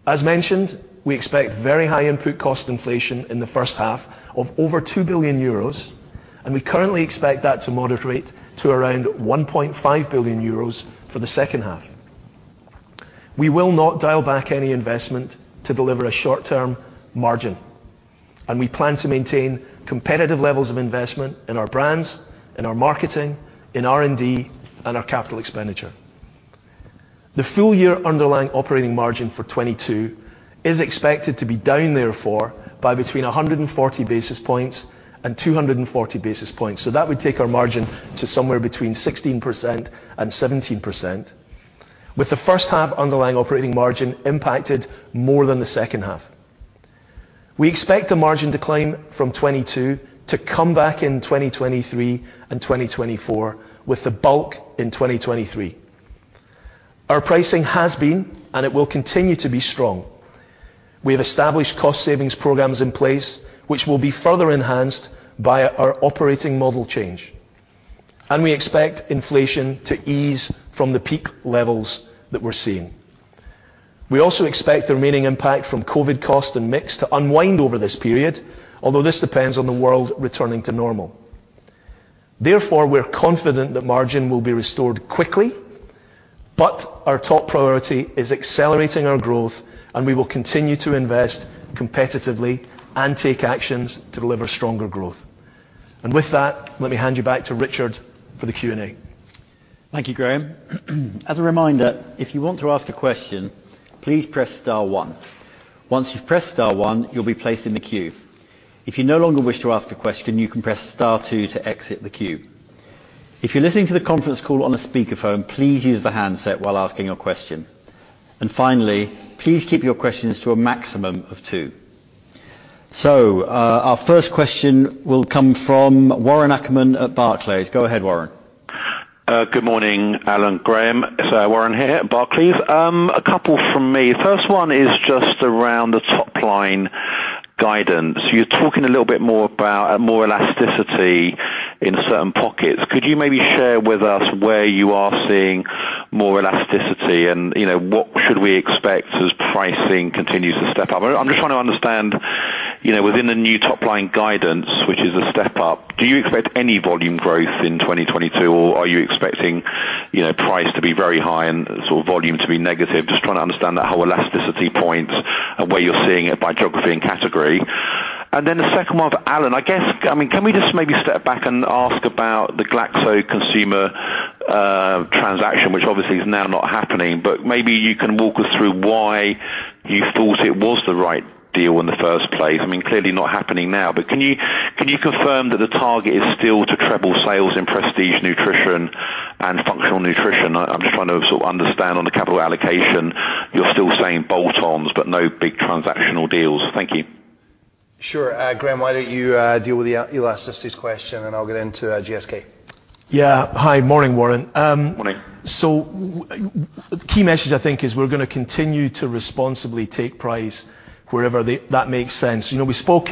As mentioned, we expect very high input cost inflation in the H1 of over 2 billion euros, and we currently expect that to moderate to around 1.5 billion euros for the Q2. We will not dial back any investment to deliver a short term margin, and we plan to maintain competitive levels of investment in our brands, in our marketing, in R&D, and our capital expenditure. The full year underlying operating margin for 2022 is expected to be down therefore by between 140 basis points and 240 basis points. That would take our margin to somewhere between 16% and 17%, with the H1 underlying operating margin impacted more than the Q2. We expect the margin decline from 2022 to come back in 2023 and 2024, with the bulk in 2023. Our pricing has been, and it will continue to be strong. We have established cost savings programs in place, which will be further enhanced by our operating model change. We expect inflation to ease from the peak levels that we're seeing. We also expect the remaining impact from COVID cost and mix to unwind over this period, although this depends on the world returning to normal. Therefore, we're confident that margin will be restored quickly, but our top priority is accelerating our growth, and we will continue to invest competitively and take actions to deliver stronger growth. With that, let me hand you back to Richard for the Q&A. Thank you, Graeme. As a reminder, if you want to ask a question, please press star one. Once you've pressed star one, you'll be placed in the queue. If you no longer wish to ask a question, you can press star two to exit the queue. If you're listening to the conference call on a speakerphone, please use the handset while asking your question. Finally, please keep your questions to a maximum of two. Our first question will come from Warren Ackerman at Barclays. Go ahead, Warren. Good morning, Alan, Graeme. Warren here at Barclays. A couple from me. First one is just around the top line guidance. You're talking a little bit more about more elasticity in certain pockets. Could you maybe share with us where you are seeing more elasticity? You know, what should we expect as pricing continues to step up? I'm just trying to understand, you know, within the new top line guidance, which is a step up, do you expect any volume growth in 2022, or are you expecting, you know, price to be very high and sort of volume to be negative? Just trying to understand that whole elasticity point and where you're seeing it by geography and category. Then the second one for Alan, I guess... I mean, can we just maybe step back and ask about the GSK Consumer Healthcare transaction, which obviously is now not happening, but maybe you can walk us through why you thought it was the right deal in the first place. I mean, clearly not happening now, but can you confirm that the target is still to treble sales in prestige nutrition and functional nutrition? I'm just trying to sort of understand on the capital allocation. You're still saying bolt-ons, but no big transactional deals. Thank you. Sure. Graeme, why don't you deal with the elasticity question, and I'll get into GSK. Yeah. Hi. Morning, Warren. Morning. The key message, I think, is we're gonna continue to responsibly take price wherever that makes sense. You know, we spoke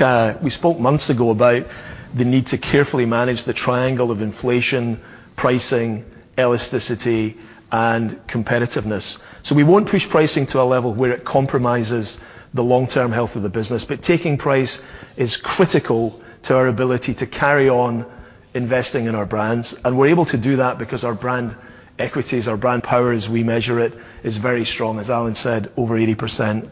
months ago about the need to carefully manage the triangle of inflation, pricing, elasticity, and competitiveness. We won't push pricing to a level where it compromises the long term health of the business, but taking price is critical to our ability to carry on investing in our brands, and we're able to do that because our brand equities, our brand power as we measure it, is very strong. As Alan said, over 80%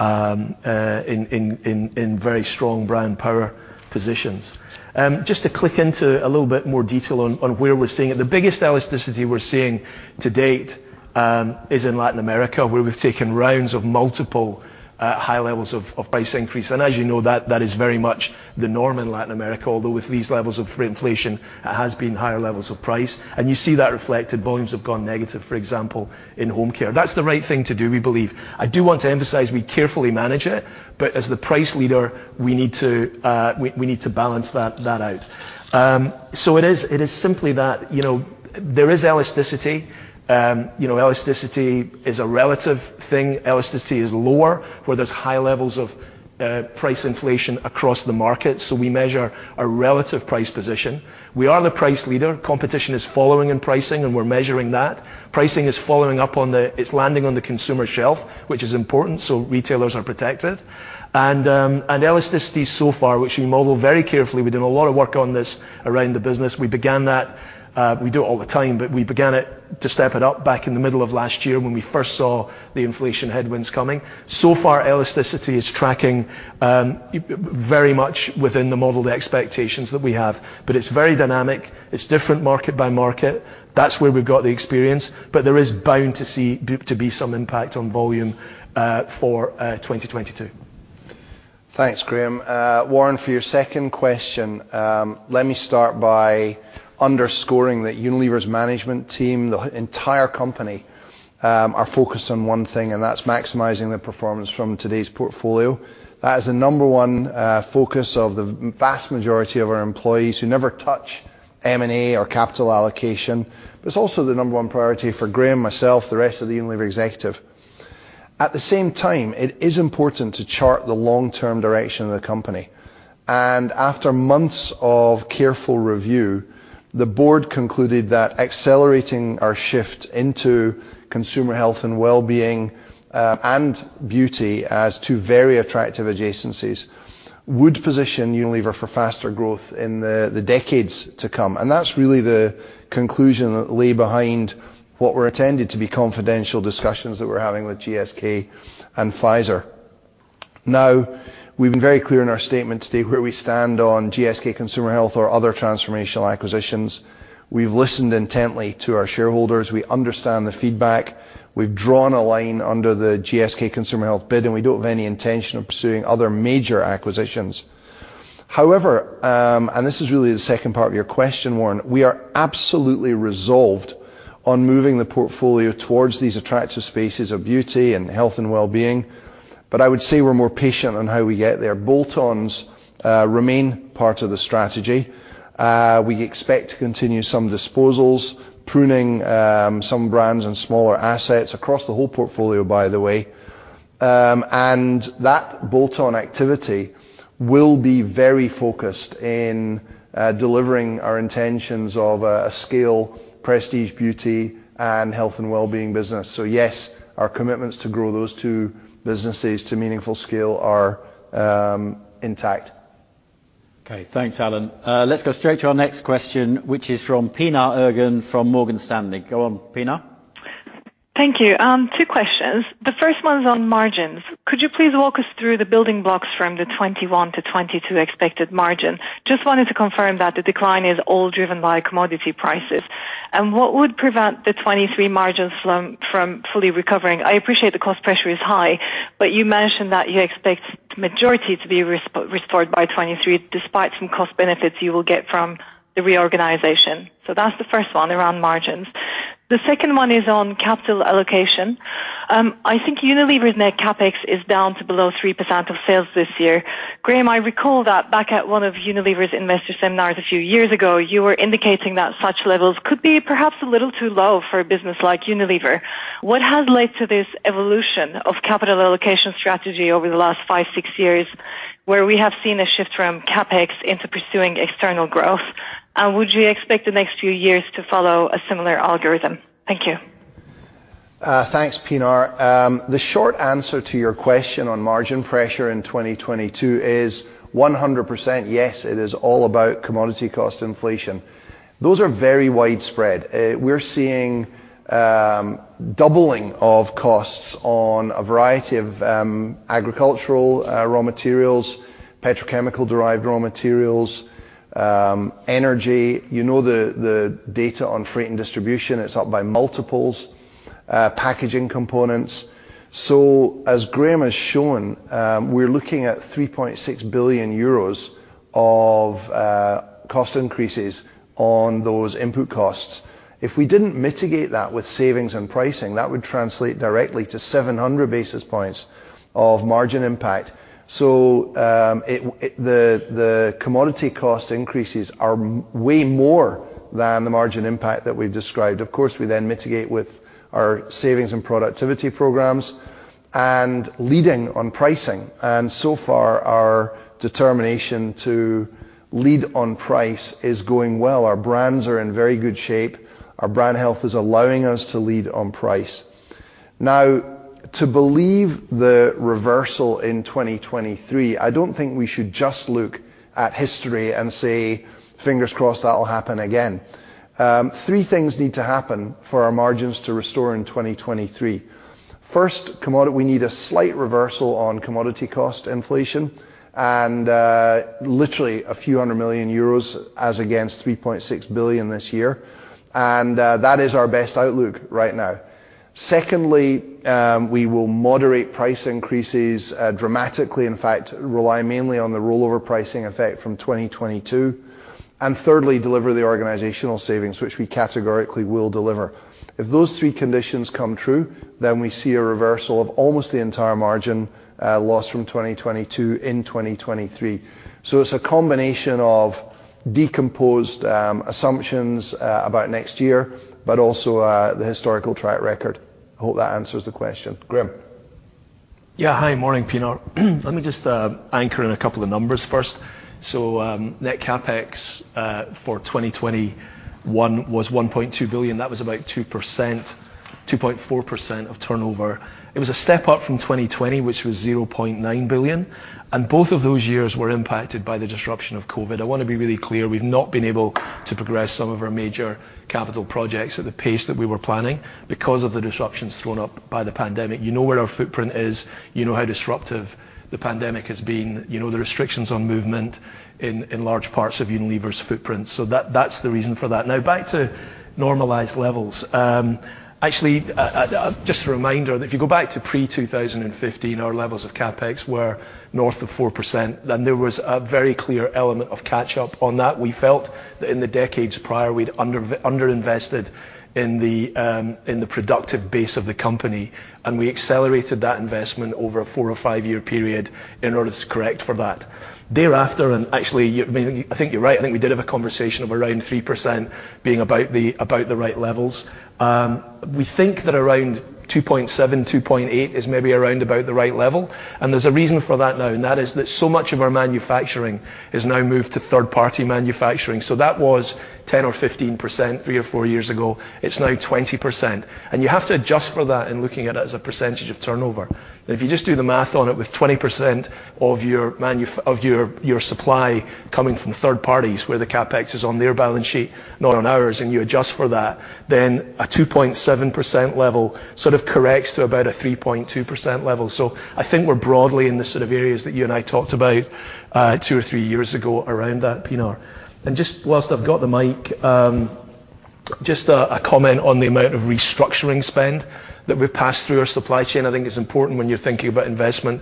in very strong brand power positions. Just to click into a little bit more detail on where we're seeing it. The biggest elasticity we're seeing to date is in Latin America, where we've taken rounds of multiple high levels of price increase. As you know, that is very much the norm in Latin America. Although with these levels of inflation, it has been higher levels of price. You see that reflected. Volumes have gone negative, for example, in Home Care. That's the right thing to do, we believe. I do want to emphasize, we carefully manage it, but as the price leader, we need to balance that out. It is simply that, you know. There is elasticity. You know, elasticity is a relative thing. Elasticity is lower where there's high levels of price inflation across the market, so we measure a relative price position. We are the price leader. Competition is following in pricing, and we're measuring that. Pricing is following up on the. It's landing on the consumer shelf, which is important, so retailers are protected. Elasticity so far, which we model very carefully, we've done a lot of work on this around the business, we began that, we do it all the time, but we began it to step it up back in the middle of last year when we first saw the inflation headwinds coming. Elasticity is tracking very much within the model, the expectations that we have, but it's very dynamic. It's different market by market. That's where we've got the experience, but there is bound to be some impact on volume for 2022. Thanks, Graeme. Warren, for your second question, let me start by underscoring that Unilever's management team, the entire company, are focused on one thing, and that's maximizing the performance from today's portfolio. That is the number one focus of the vast majority of our employees who never touch M&A or capital allocation, but it's also the number one priority for Graeme, myself, the rest of the Unilever executive. At the same time, it is important to chart the long-term direction of the company. After months of careful review, the board concluded that accelerating our shift into consumer health and well-being, and beauty as two very attractive adjacencies would position Unilever for faster growth in the decades to come. That's really the conclusion that lay behind what were intended to be confidential discussions that we're having with GSK and Pfizer. Now, we've been very clear in our statement today where we stand on GSK Consumer Healthcare or other transformational acquisitions. We've listened intently to our shareholders. We understand the feedback. We've drawn a line under the GSK Consumer Healthcare bid, and we don't have any intention of pursuing other major acquisitions. However, and this is really the second part of your question, Warren, we are absolutely resolved on moving the portfolio towards these attractive spaces of beauty and health and wellbeing, but I would say we're more patient on how we get there. Bolt-ons remain part of the strategy. We expect to continue some disposals, pruning, some brands and smaller assets across the whole portfolio, by the way. And that bolt-on activity will be very focused in delivering our intentions of a scale prestige beauty and health and wellbeing business. Yes, our commitments to grow those two businesses to meaningful scale are intact. Okay. Thanks, Alan. Let's go straight to our next question, which is from Pinar Ergun from Morgan Stanley. Go on, Pinar. Thank you. Two questions. The first one's on margins. Could you please walk us through the building blocks from 2021 to 2022 expected margin? Just wanted to confirm that the decline is all driven by commodity prices. What would prevent the 2023 margins from fully recovering? I appreciate the cost pressure is high, but you mentioned that you expect majority to be restored by 2023 despite some cost benefits you will get from the reorganization. That's the first one around margins. The second one is on capital allocation. I think Unilever's net CapEx is down to below 3% of sales this year. Graeme, I recall that back at one of Unilever's investor seminars a few years ago, you were indicating that such levels could be perhaps a little too low for a business like Unilever. What has led to this evolution of capital allocation strategy over the last 5, 6 years, where we have seen a shift from CapEx into pursuing external growth? Would you expect the next few years to follow a similar algorithm? Thank you. Thanks, Pinar. The short answer to your question on margin pressure in 2022 is 100% yes, it is all about commodity cost inflation. Those are very widespread. We're seeing doubling of costs on a variety of agricultural raw materials, petrochemical derived raw materials, energy. You know the data on freight and distribution, it's up by multiples, packaging components. As Graeme has shown, we're looking at 3.6 billion euros of cost increases on those input costs. If we didn't mitigate that with savings and pricing, that would translate directly to 700 basis points of margin impact. The commodity cost increases are way more than the margin impact that we've described. Of course, we then mitigate with our savings and productivity programs and leading on pricing. So far, our determination to lead on price is going well. Our brands are in very good shape. Our brand health is allowing us to lead on price. Now, to believe the reversal in 2023, I don't think we should just look at history and say, "Fingers crossed that'll happen again." Three things need to happen for our margins to restore in 2023. First, we need a slight reversal on commodity cost inflation and literally a few hundred million EUR as against 3.6 billion this year. That is our best outlook right now. Second, we will moderate price increases dramatically, in fact, rely mainly on the rollover pricing effect from 2022. Thirdly, deliver the organizational savings, which we categorically will deliver. If those three conditions come true, then we see a reversal of almost the entire margin loss from 2022 in 2023. It's a combination of decomposed assumptions about next year, but also the historical track record. I hope that answers the question. Graeme. Yeah. Hi. Morning, Pinar. Let me just anchor in a couple of numbers first. Net CapEx for 2021 was 1.2 billion. That was about 2%, 2.4% of turnover. That was a step up from 2020, which was 0.9 billion, and both of those years were impacted by the disruption of COVID. I wanna be really clear, we've not been able to progress some of our major capital projects at the pace that we were planning because of the disruptions thrown up by the pandemic. You know where our footprint is. You know how disruptive the pandemic has been. You know the restrictions on movement in large parts of Unilever's footprint, so that's the reason for that. Now back to normalized levels. Actually, just a reminder, if you go back to pre-2015, our levels of CapEx were north of 4%, then there was a very clear element of catch-up on that. We felt that in the decades prior, we'd under-invested in the productive base of the company, and we accelerated that investment over a 4- or 5-year period in order to correct for that. Thereafter, actually, I mean, I think you're right. I think we did have a conversation of around 3% being about the right levels. We think that around 2.7, 2.8 is maybe around about the right level, and there's a reason for that now, and that is that so much of our manufacturing is now moved to third-party manufacturing. That was 10%-15% 3 or 4 years ago. It's now 20%. You have to adjust for that in looking at it as a percentage of turnover. If you just do the math on it, with 20% of your supply coming from third parties where the CapEx is on their balance sheet, not on ours, and you adjust for that, then a 2.7% level sort of corrects to about a 3.2% level. I think we're broadly in the sort of areas that you and I talked about 2 or 3 years ago around that P&R. Just while I've got the mic, just a comment on the amount of restructuring spend that we've passed through our supply chain, I think is important when you're thinking about investment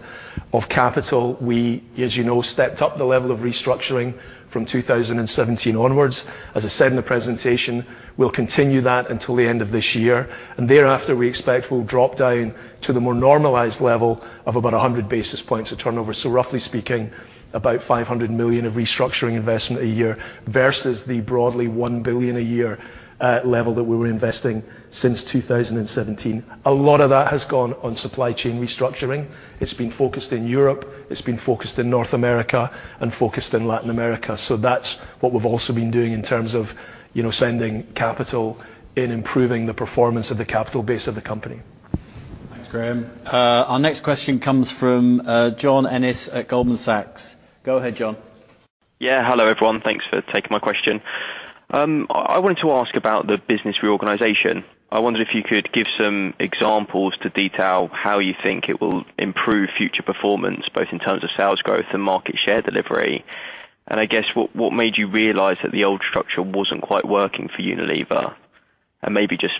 of capital. We, as you know, stepped up the level of restructuring from 2017 onwards. As I said in the presentation, we'll continue that until the end of this year, and thereafter, we expect we'll drop down to the more normalized level of about 100 basis points of turnover. Roughly speaking, about 500 million of restructuring investment a year versus the broadly 1 billion a year level that we were investing since 2017. A lot of that has gone on supply chain restructuring. It's been focused in Europe, it's been focused in North America and focused in Latin America. That's what we've also been doing in terms of, you know, sending capital in improving the performance of the capital base of the company. Thanks, Graeme. Our next question comes from John Ennis at Goldman Sachs. Go ahead, John. Hello, everyone. Thanks for taking my question. I wanted to ask about the business reorganization. I wondered if you could give some examples to detail how you think it will improve future performance, both in terms of sales growth and market share delivery. I guess, what made you realize that the old structure wasn't quite working for Unilever? Maybe just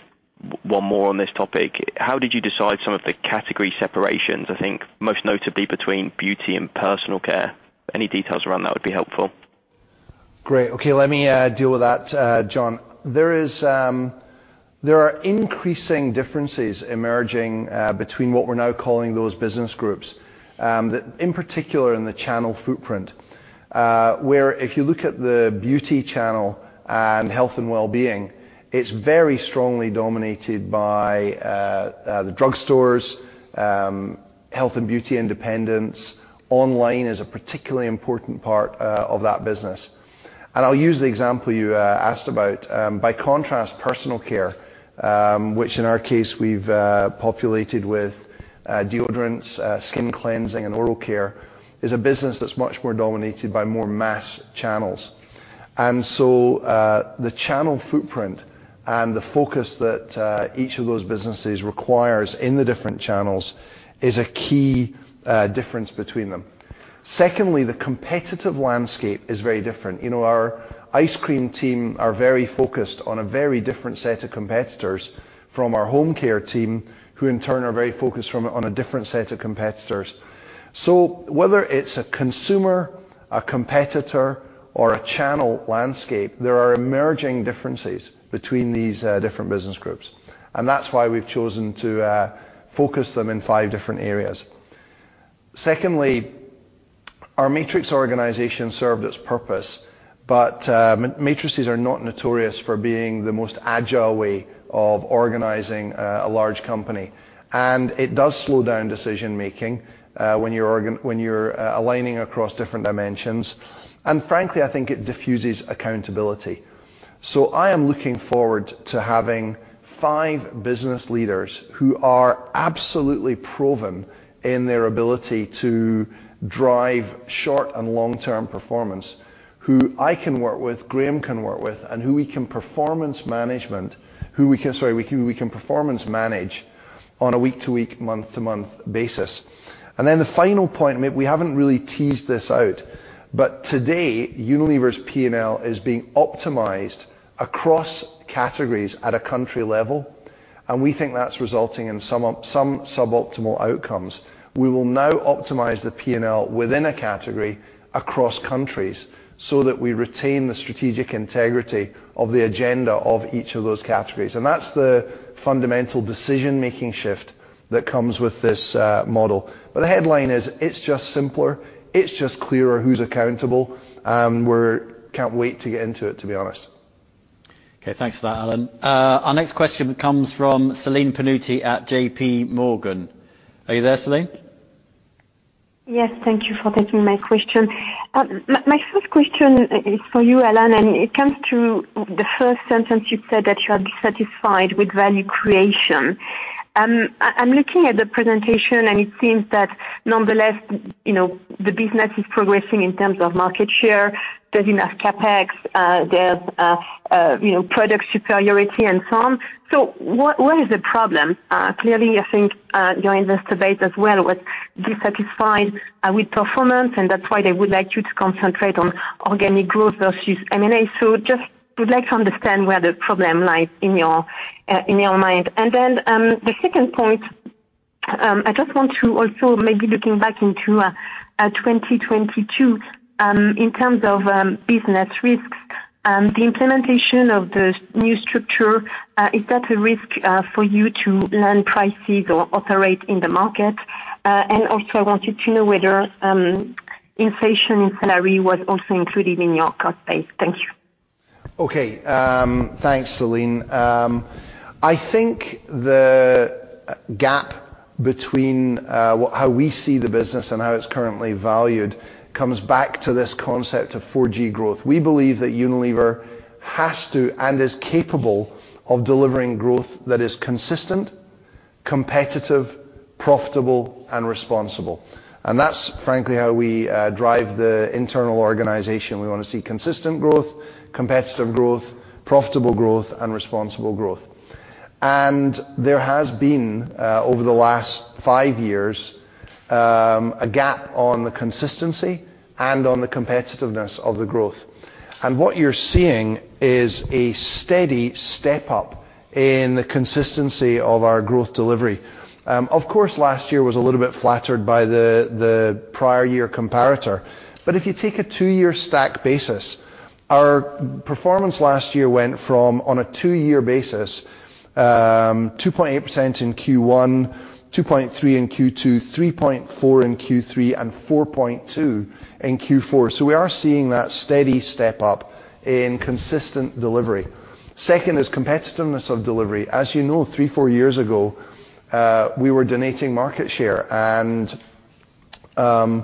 one more on this topic. How did you decide some of the category separations, I think most notably between beauty and personal care? Any details around that would be helpful. Great. Okay, let me deal with that, John. There are increasing differences emerging between what we're now calling those business groups that in particular in the channel footprint where if you look at the beauty channel and health and wellbeing, it's very strongly dominated by the drugstores, health and beauty independents. Online is a particularly important part of that business. I'll use the example you asked about. By contrast, personal care, which in our case we've populated with deodorants, skin cleansing and oral care, is a business that's much more dominated by more mass channels. The channel footprint and the focus that each of those businesses requires in the different channels is a key difference between them. Secondly, the competitive landscape is very different. You know, our ice cream team are very focused on a very different set of competitors from our home care team, who in turn are very focused on a different set of competitors. Whether it's a consumer, a competitor, or a channel landscape, there are emerging differences between these different business groups, and that's why we've chosen to focus them in five different areas. Secondly, our matrix organization served its purpose, but matrices are not notorious for being the most agile way of organizing a large company, and it does slow down decision-making when you're aligning across different dimensions. Frankly, I think it diffuses accountability. I am looking forward to having five business leaders who are absolutely proven in their ability to drive short and long-term performance, who I can work with, Graeme can work with, and who we can performance manage on a week-to-week, month-to-month basis. Then the final point, I mean, we haven't really teased this out, but today, Unilever's P&L is being optimized across categories at a country level. We think that's resulting in some suboptimal outcomes. We will now optimize the P&L within a category across countries so that we retain the strategic integrity of the agenda of each of those categories. That's the fundamental decision-making shift that comes with this model. The headline is, it's just simpler, it's just clearer who's accountable. We're can't wait to get into it, to be honest. Okay, thanks for that, Alan. Our next question comes from Celine Pannuti at J.P. Morgan. Are you there, Celine? Yes, thank you for taking my question. My first question is for you, Alan, and it comes through the first sentence you said that you are dissatisfied with value creation. I'm looking at the presentation, and it seems that nonetheless, you know, the business is progressing in terms of market share, there's enough CapEx, you know, product superiority and so on. What is the problem? Clearly, I think, you're in this debate as well, dissatisfied with performance, and that's why they would like you to concentrate on organic growth versus M&A. Just would like to understand where the problem lies in your mind. The second point, I just want to also maybe looking back into 2022, in terms of business risks, the implementation of the new structure, is that a risk for you to raise prices or operate in the market? I wanted to know whether inflation in salary was also included in your cost base. Thank you. Okay. Thanks, Celine. I think the gap between how we see the business and how it's currently valued comes back to this concept of 4G growth. We believe that Unilever has to and is capable of delivering growth that is consistent, competitive, profitable and responsible. That's frankly how we drive the internal organization. We wanna see consistent growth, competitive growth, profitable growth and responsible growth. There has been over the last five years a gap on the consistency and on the competitiveness of the growth. What you're seeing is a steady step up in the consistency of our growth delivery. Of course, last year was a little bit flattered by the prior year comparator. If you take a two-year stack basis, our performance last year went from on a two-year basis, 2.8% in Q1, 2.3% in Q2, 3.4% in Q3, and 4.2% in Q4. We are seeing that steady step up in consistent delivery. Second is competitiveness of delivery. As you know, three, four years ago, we were donating market share, and then,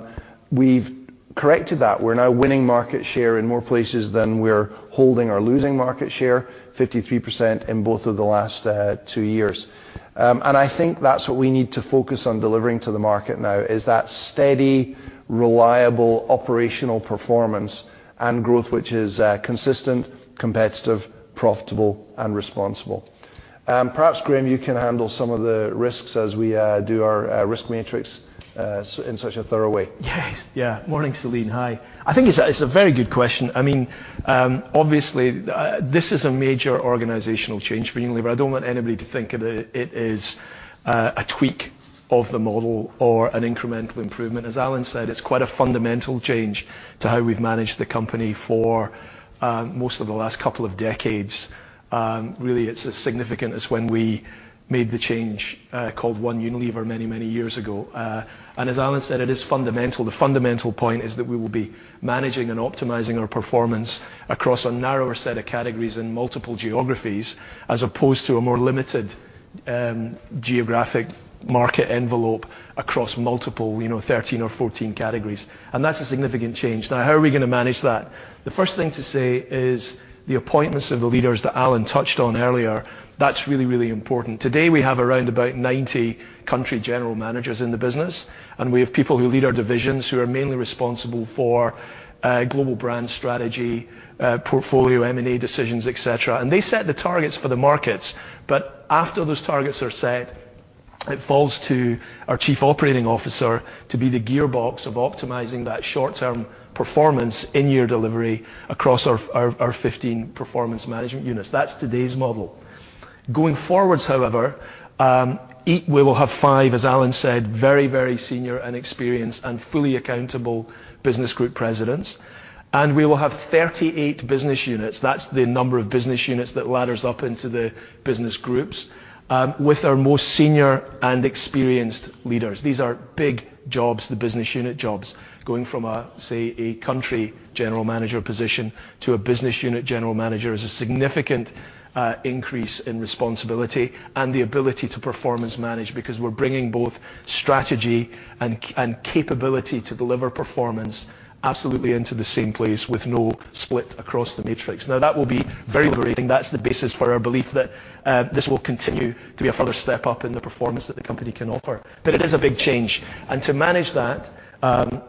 we've corrected that. We're now winning market share in more places than we're holding or losing market share, 53% in both of the last two years. I think that's what we need to focus on delivering to the market now, is that steady, reliable operational performance and growth, which is consistent, competitive, profitable and responsible. Perhaps, Graeme, you can handle some of the risks as we do our risk matrix in such a thorough way. Yes. Yeah. Morning, Celine. Hi. I think it's a very good question. I mean, obviously, this is a major organizational change for Unilever. I don't want anybody to think of it as a tweak of the model or an incremental improvement. As Alan said, it's quite a fundamental change to how we've managed the company for most of the last couple of decades. Really, it's as significant as when we made the change called One Unilever many years ago. As Alan said, it is fundamental. The fundamental point is that we will be managing and optimizing our performance across a narrower set of categories in multiple geographies, as opposed to a more limited geographic market envelope across multiple, you know, 13 or 14 categories. That's a significant change. Now, how are we gonna manage that? The first thing to say is the appointments of the leaders that Alan touched on earlier. That's really, really important. Today, we have around 90 country general managers in the business, and we have people who lead our divisions who are mainly responsible for global brand strategy, portfolio, M&A decisions, et cetera. They set the targets for the markets. After those targets are set, it falls to our Chief Operating Officer to be the gearbox of optimizing that short-term performance in year delivery across our 15 performance management units. That's today's model. Going forward, however, we will have five, as Alan said, very, very senior and experienced and fully accountable Business Group Presidents. We will have 38 business units. That's the number of business units that ladders up into the business groups with our most senior and experienced leaders. These are big jobs, the business unit jobs. Going from a, say, a country general manager position to a business unit general manager is a significant increase in responsibility and the ability to performance manage because we're bringing both strategy and capability to deliver performance absolutely into the same place with no split across the matrix. Now, that will be very liberating. That's the basis for our belief that this will continue to be a further step up in the performance that the company can offer. But it is a big change. To manage that,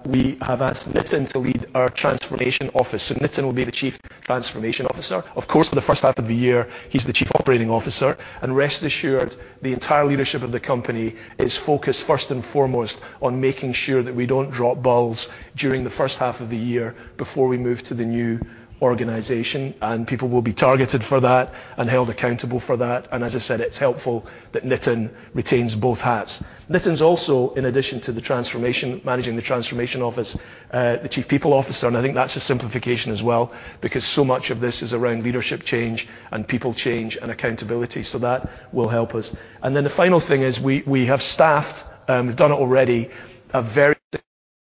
we have asked Nitin to lead our transformation office. Nitin will be the Chief Transformation Officer. Of course, for the H1 of the year, he's the Chief Operating Officer. Rest assured, the entire leadership of the company is focused first and foremost on making sure that we don't drop balls during the H1 of the year before we move to the new organization. People will be targeted for that and held accountable for that. As I said, it's helpful that Nitin retains both hats. Nitin is also, in addition to the transformation, managing the transformation office, the chief people officer, and I think that's a simplification as well because so much of this is around leadership change and people change and accountability. That will help us. Then the final thing is we have staffed, we've done it already, a very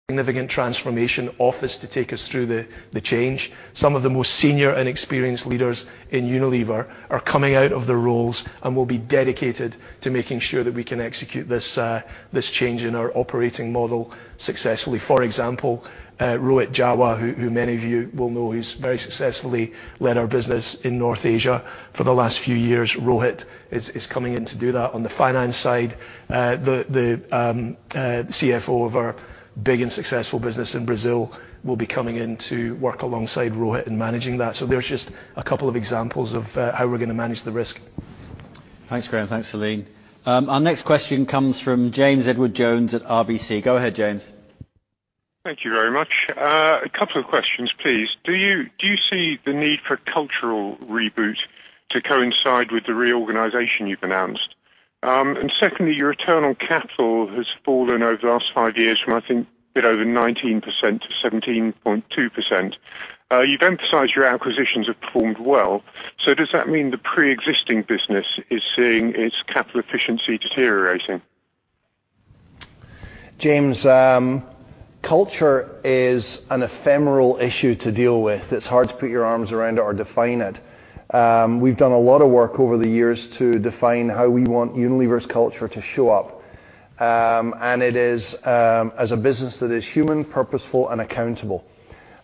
significant transformation office to take us through the change. Some of the most senior and experienced leaders in Unilever are coming out of their roles and will be dedicated to making sure that we can execute this change in our operating model successfully. For example, Rohit Jawa, who many of you will know, he's very successfully led our business in North Asia for the last few years. Rohit is coming in to do that on the finance side. The CFO of our big and successful business in Brazil will be coming in to work alongside Rohit in managing that. There's just a couple of examples of how we're gonna manage the risk. Thanks, Graeme. Thanks, Celine. Our next question comes from James Edwardes Jones at RBC. Go ahead, James. Thank you very much. A couple of questions, please. Do you see the need for a cultural reboot to coincide with the reorganization you've announced? Secondly, your return on capital has fallen over the last five years from, I think, a bit over 19% to 17.2%. You've emphasized your acquisitions have performed well. Does that mean the preexisting business is seeing its capital efficiency deteriorating? James, culture is an ephemeral issue to deal with. It's hard to put your arms around it or define it. We've done a lot of work over the years to define how we want Unilever's culture to show up. It is, as a business that is human, purposeful, and accountable.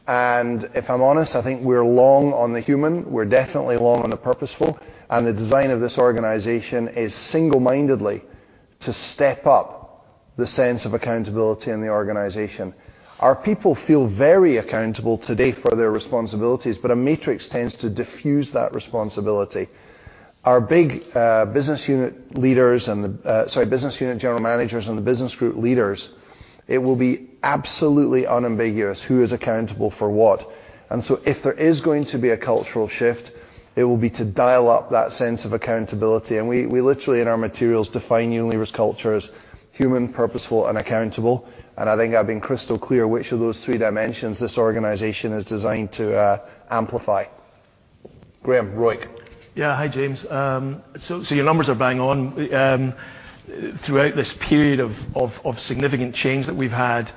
If I'm honest, I think we're long on the human, we're definitely long on the purposeful, and the design of this organization is single-mindedly to step up the sense of accountability in the organization. Our people feel very accountable today for their responsibilities, but a matrix tends to diffuse that responsibility. Our big business unit general managers and the business group leaders, it will be absolutely unambiguous who is accountable for what. If there is going to be a cultural shift, it will be to dial up that sense of accountability. We literally, in our materials, define Unilever's culture as human, purposeful, and accountable. I think I've been crystal clear which of those three dimensions this organization is designed to amplify. Graeme, ROIC. Yeah. Hi, James. Your numbers are bang on. Throughout this period of significant change that we've had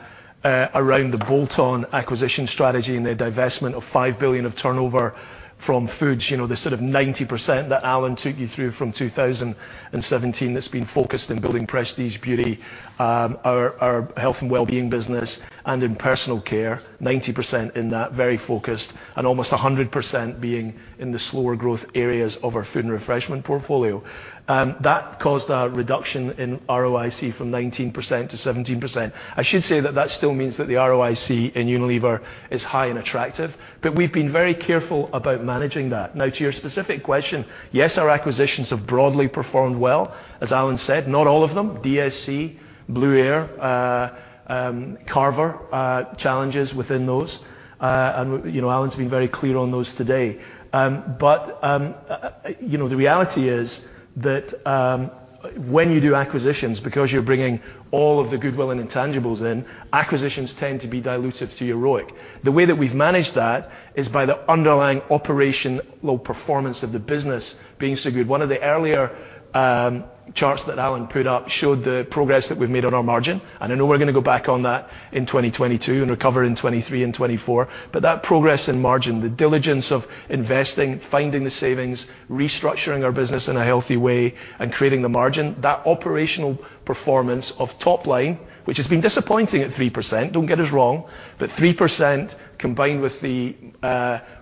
around the bolt-on acquisition strategy and the divestment of 5 billion of turnover from foods, you know, the sort of 90% that Alan took you through from 2017 that's been focused in building Prestige Beauty, our health and well-being business and in Personal Care, 90% in that, very focused, and almost 100% being in the slower growth areas of our food and refreshment portfolio. That caused a reduction in ROIC from 19% to 17%. I should say that that still means that the ROIC in Unilever is high and attractive, but we've been very careful about managing that. Now, to your specific question, yes, our acquisitions have broadly performed well, as Alan said, not all of them, DSC, Blueair, Carver, challenges within those. You know, Alan's been very clear on those today. You know, the reality is that when you do acquisitions, because you're bringing all of the goodwill and intangibles in, acquisitions tend to be dilutive to your ROIC. The way that we've managed that is by the underlying operational performance of the business being so good. One of the earlier charts that Alan put up showed the progress that we've made on our margin, and I know we're gonna go back on that in 2022 and recover in 2023 and 2024, but that progress in margin, the diligence of investing, finding the savings, restructuring our business in a healthy way and creating the margin, that operational performance of top line, which has been disappointing at 3%, don't get us wrong, but 3% combined with the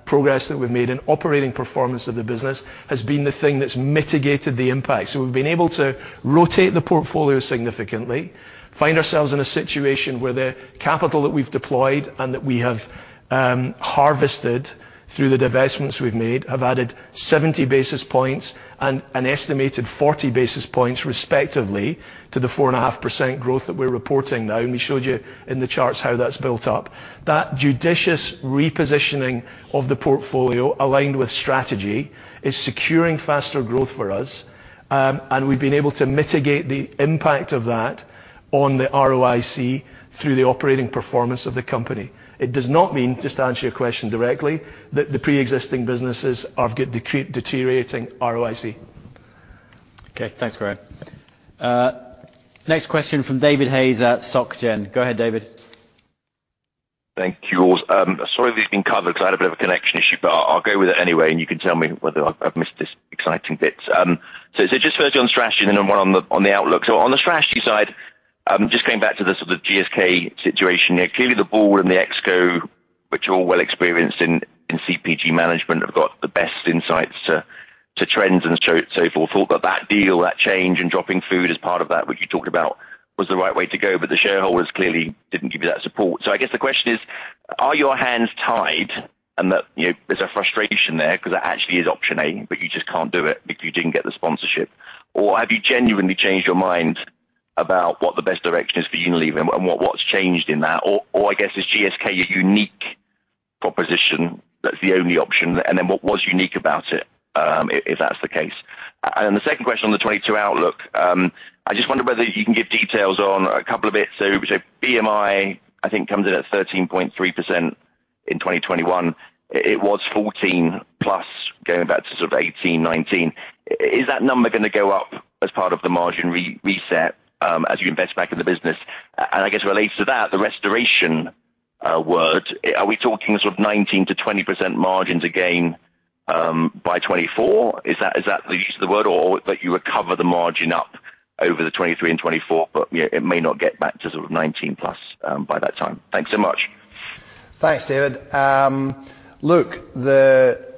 progress that we've made in operating performance of the business has been the thing that's mitigated the impact. We've been able to rotate the portfolio significantly, find ourselves in a situation where the capital that we've deployed and that we have harvested through the divestments we've made have added 70 basis points and an estimated 40 basis points, respectively, to the 4.5% growth that we're reporting now. We showed you in the charts how that's built up. That judicious repositioning of the portfolio aligned with strategy is securing faster growth for us, and we've been able to mitigate the impact of that on the ROIC through the operating performance of the company. It does not mean, just to answer your question directly, that the preexisting businesses have got deteriorating ROIC. Okay. Thanks, Graeme. Next question from David Hayes at Société Générale. Go ahead, David. Thank you. Sorry if this has been covered 'cause I had a bit of a connection issue, but I'll go with it anyway, and you can tell me whether I've missed this exciting bit. Just firstly on strategy and then one on the outlook. On the strategy side, just going back to the sort of GSK situation there. Clearly, the board and the ExCo, which are all well experienced in CPG management, have got the best insights to trends and so forth. Thought that deal, that change, and dropping food as part of that, which you talked about, was the right way to go, but the shareholders clearly didn't give you that support. I guess the question is, are your hands tied and that, you know, there's a frustration there 'cause that actually is option A, but you just can't do it if you didn't get the sponsorship? Or have you genuinely changed your mind about what the best direction is for Unilever and what's changed in that? Or I guess, is GSK a unique proposition that's the only option? And then what was unique about it, if that's the case? And the second question on the 2022 outlook, I just wonder whether you can give details on a couple of bits. BMI, I think, comes in at 13.3%. In 2021, it was 14%+ going back to sort of 2018, 2019. Is that number gonna go up as part of the margin reset, as you invest back in the business? I guess related to that, the restoration work, are we talking sort of 19%-20% margins again by 2024? Is that the use of the word, or that you recover the margin up over the 2023 and 2024, but yet it may not get back to sort of 19%+ by that time? Thanks so much. Thanks, David. Look, the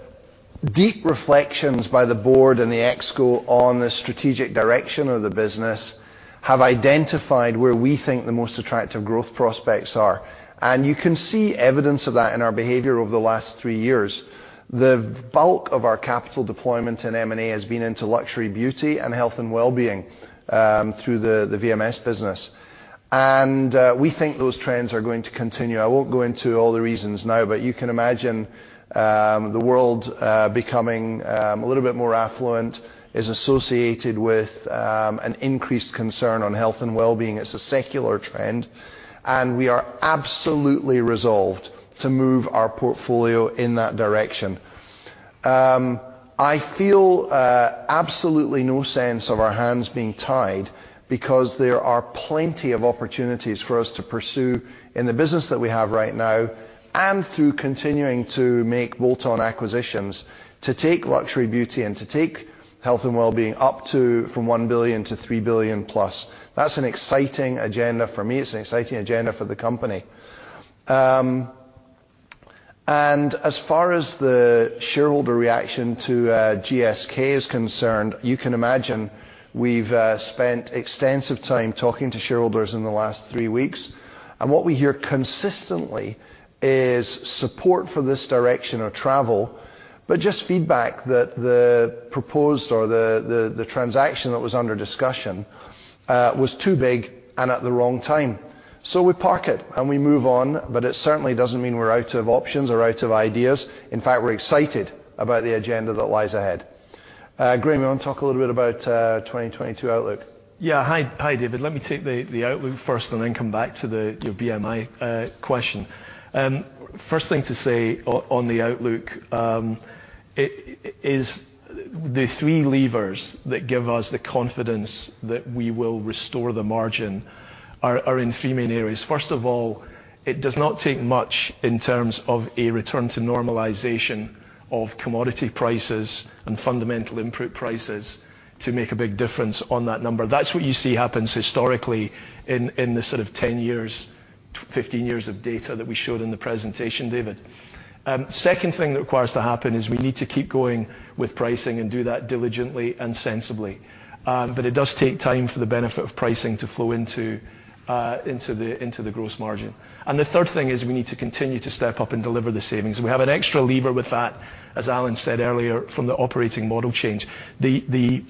deep reflections by the board and the ExCo on the strategic direction of the business have identified where we think the most attractive growth prospects are, and you can see evidence of that in our behavior over the last three years. The bulk of our capital deployment in M&A has been into luxury beauty and health and wellbeing, through the VMS business. We think those trends are going to continue. I won't go into all the reasons now, but you can imagine the world becoming a little bit more affluent is associated with an increased concern on health and wellbeing. It's a secular trend, and we are absolutely resolved to move our portfolio in that direction. I feel absolutely no sense of our hands being tied because there are plenty of opportunities for us to pursue in the business that we have right now and through continuing to make bolt-on acquisitions to take luxury beauty and to take health and wellbeing up to from 1 billion to 3 billion plus. That's an exciting agenda for me, it's an exciting agenda for the company. As far as the shareholder reaction to GSK is concerned, you can imagine we've spent extensive time talking to shareholders in the last three weeks, and what we hear consistently is support for this direction of travel, but just feedback that the proposed or the transaction that was under discussion was too big and at the wrong time. We park it, and we move on, but it certainly doesn't mean we're out of options or out of ideas. In fact, we're excited about the agenda that lies ahead. Graeme, you want to talk a little bit about 2022 outlook? Yeah. Hi, David. Let me take the outlook first and then come back to your BMI question. First thing to say on the outlook is the three levers that give us the confidence that we will restore the margin are in three main areas. First of all, it does not take much in terms of a return to normalization of commodity prices and fundamental input prices to make a big difference on that number. That's what you see happens historically in the sort of 10 years, 15 years of data that we showed in the presentation, David. Second thing that requires to happen is we need to keep going with pricing and do that diligently and sensibly. It does take time for the benefit of pricing to flow into the gross margin. The third thing is we need to continue to step up and deliver the savings. We have an extra lever with that, as Alan said earlier, from the operating model change. The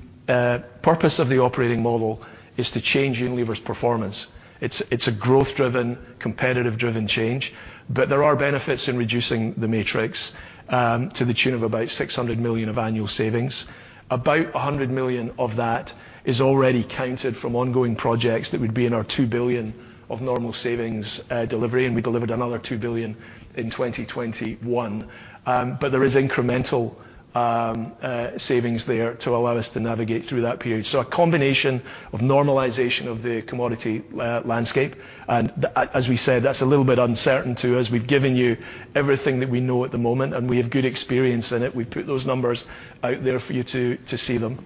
purpose of the operating model is to change Unilever's performance. It's a growth-driven, competitive-driven change, but there are benefits in reducing the matrix to the tune of about 600 million of annual savings. About 100 million of that is already counted from ongoing projects that would be in our 2 billion of normal savings delivery, and we delivered another 2 billion in 2021. But there is incremental savings there to allow us to navigate through that period. A combination of normalization of the commodity landscape and as we said, that's a little bit uncertain to us. We've given you everything that we know at the moment, and we have good experience in it. We put those numbers out there for you to see them.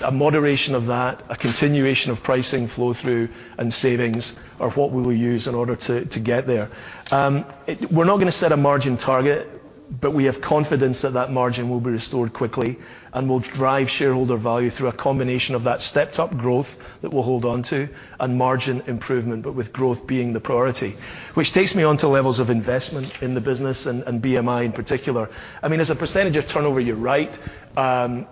A moderation of that, a continuation of pricing flow through and savings are what we will use in order to get there. We're not gonna set a margin target, but we have confidence that that margin will be restored quickly and will drive shareholder value through a combination of that stepped up growth that we'll hold on to and margin improvement, but with growth being the priority. Which takes me on to levels of investment in the business and BMI in particular. I mean, as a percentage of turnover, you're right.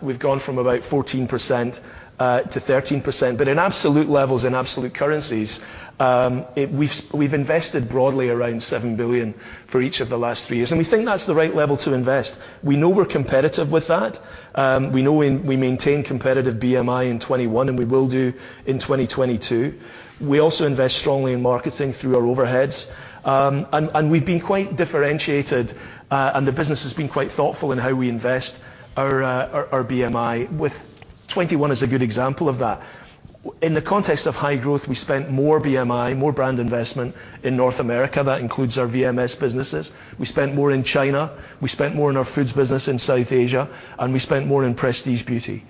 We've gone from about 14% to 13%, but in absolute levels, in absolute currencies, we've invested broadly around 7 billion for each of the last three years, and we think that's the right level to invest. We know we're competitive with that. We know we maintain competitive BMI in 2021, and we will do in 2022. We also invest strongly in marketing through our overheads. We've been quite differentiated, and the business has been quite thoughtful in how we invest our BMI with 2021 as a good example of that. In the context of high growth, we spent more BMI, more brand investment in North America. That includes our VMS businesses. We spent more in China, we spent more in our foods business in South Asia, and we spent more in prestige beauty.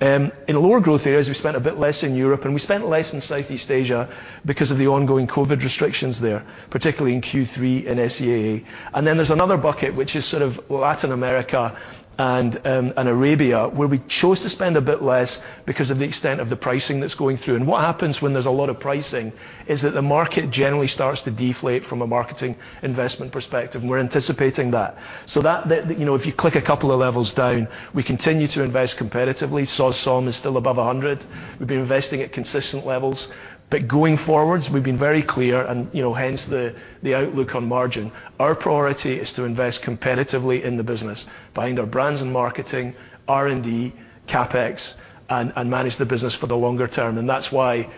In lower growth areas, we spent a bit less in Europe, and we spent less in Southeast Asia because of the ongoing COVID restrictions there, particularly in Q3 and SEAA. Then there's another bucket which is sort of Latin America and Arabia, where we chose to spend a bit less because of the extent of the pricing that's going through. What happens when there's a lot of pricing is that the market generally starts to deflate from a marketing investment perspective, and we're anticipating that. That, you know, if you click a couple of levels down, we continue to invest competitively. Saw some is still above 100. We've been investing at consistent levels. Going forwards, we've been very clear and, you know, hence the outlook on margin. Our priority is to invest competitively in the business behind our brands and marketing, R&D, CapEx, and manage the business for the longer term. That's why,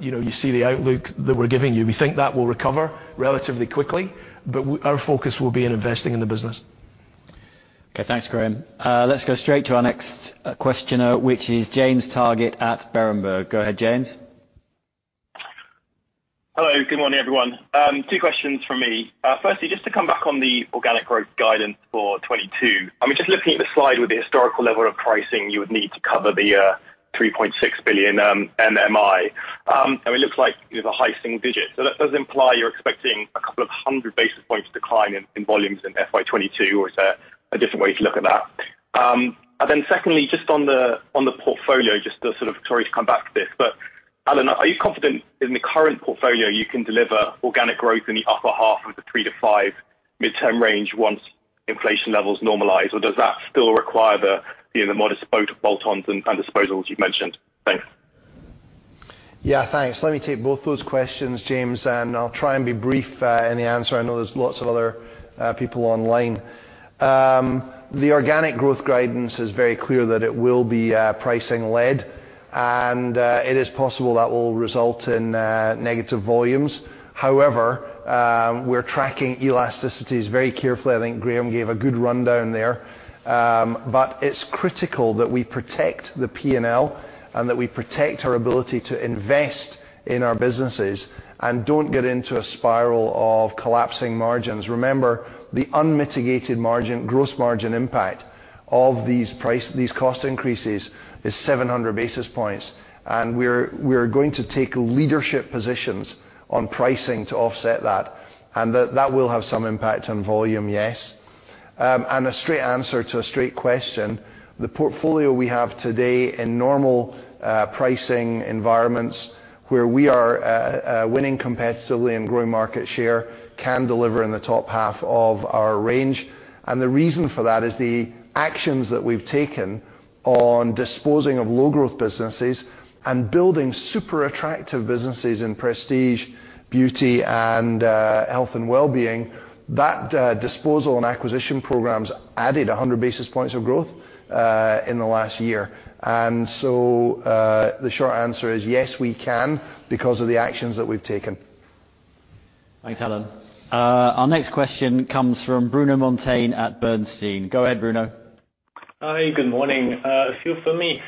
you know, you see the outlook that we're giving you. We think that will recover relatively quickly, but our focus will be in investing in the business. Okay, thanks, Graeme. Let's go straight to our next questioner, which is James Targett at Berenberg. Go ahead, James. Hello. Good morning, everyone. Two questions from me. Firstly, just to come back on the organic growth guidance for 2022. I mean, just looking at the slide with the historical level of pricing, you would need to cover the 3.6 billion NMI. And it looks like it was high single-digit. That does imply you're expecting a couple of hundred basis points decline in volumes in FY 2022, or is there a different way to look at that? And then secondly, just on the portfolio. Sorry to come back to this. Alan, are you confident in the current portfolio you can deliver organic growth in the upper half of the 3%-5% medium-term range once inflation levels normalize? Does that still require the modest bolt-ons and disposals you've mentioned? Thanks. Thanks. Let me take both those questions, James, and I'll try and be brief in the answer. I know there's lots of other people online. The organic growth guidance is very clear that it will be pricing led, and it is possible that will result in negative volumes. However, we're tracking elasticities very carefully. I think Graeme gave a good rundown there. But it's critical that we protect the P&L, and that we protect our ability to invest in our businesses and don't get into a spiral of collapsing margins. Remember, the unmitigated margin, gross margin impact of these cost increases is 700 basis points. We're going to take leadership positions on pricing to offset that, and that will have some impact on volume, yes. A straight answer to a straight question. The portfolio we have today in normal pricing environments where we are winning competitively and growing market share can deliver in the top half of our range, and the reason for that is the actions that we've taken on disposing of low growth businesses and building super attractive businesses in prestige, beauty and health and wellbeing. That disposal and acquisition programs added 100 basis points of growth in the last year. The short answer is yes, we can because of the actions that we've taken. Thanks, Alan. Our next question comes from Bruno Monteyne at Bernstein. Go ahead, Bruno. Hi, good morning. A few for me.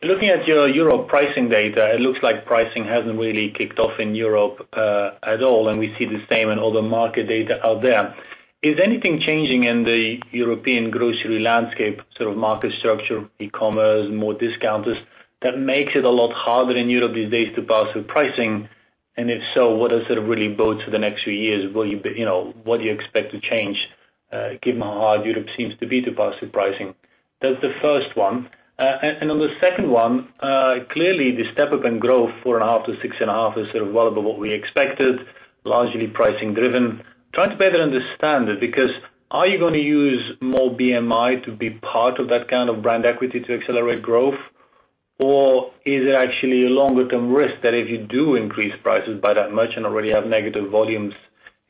Looking at your Europe pricing data, it looks like pricing hasn't really kicked off in Europe at all, and we see the same in other market data out there. Is anything changing in the European grocery landscape, sort of market structure, e-commerce, more discounters, that makes it a lot harder in Europe these days to pass with pricing? If so, what really bodes for the next few years? Will you know, what do you expect to change given how hard Europe seems to be to pass with pricing? That's the first one. On the second one, clearly the step up in growth, 4.5%-6.5% is sort of well above what we expected, largely pricing driven. Trying to better understand it, because are you gonna use more BMI to be part of that kind of brand equity to accelerate growth? Or is it actually a longer term risk that if you do increase prices by that much and already have negative volumes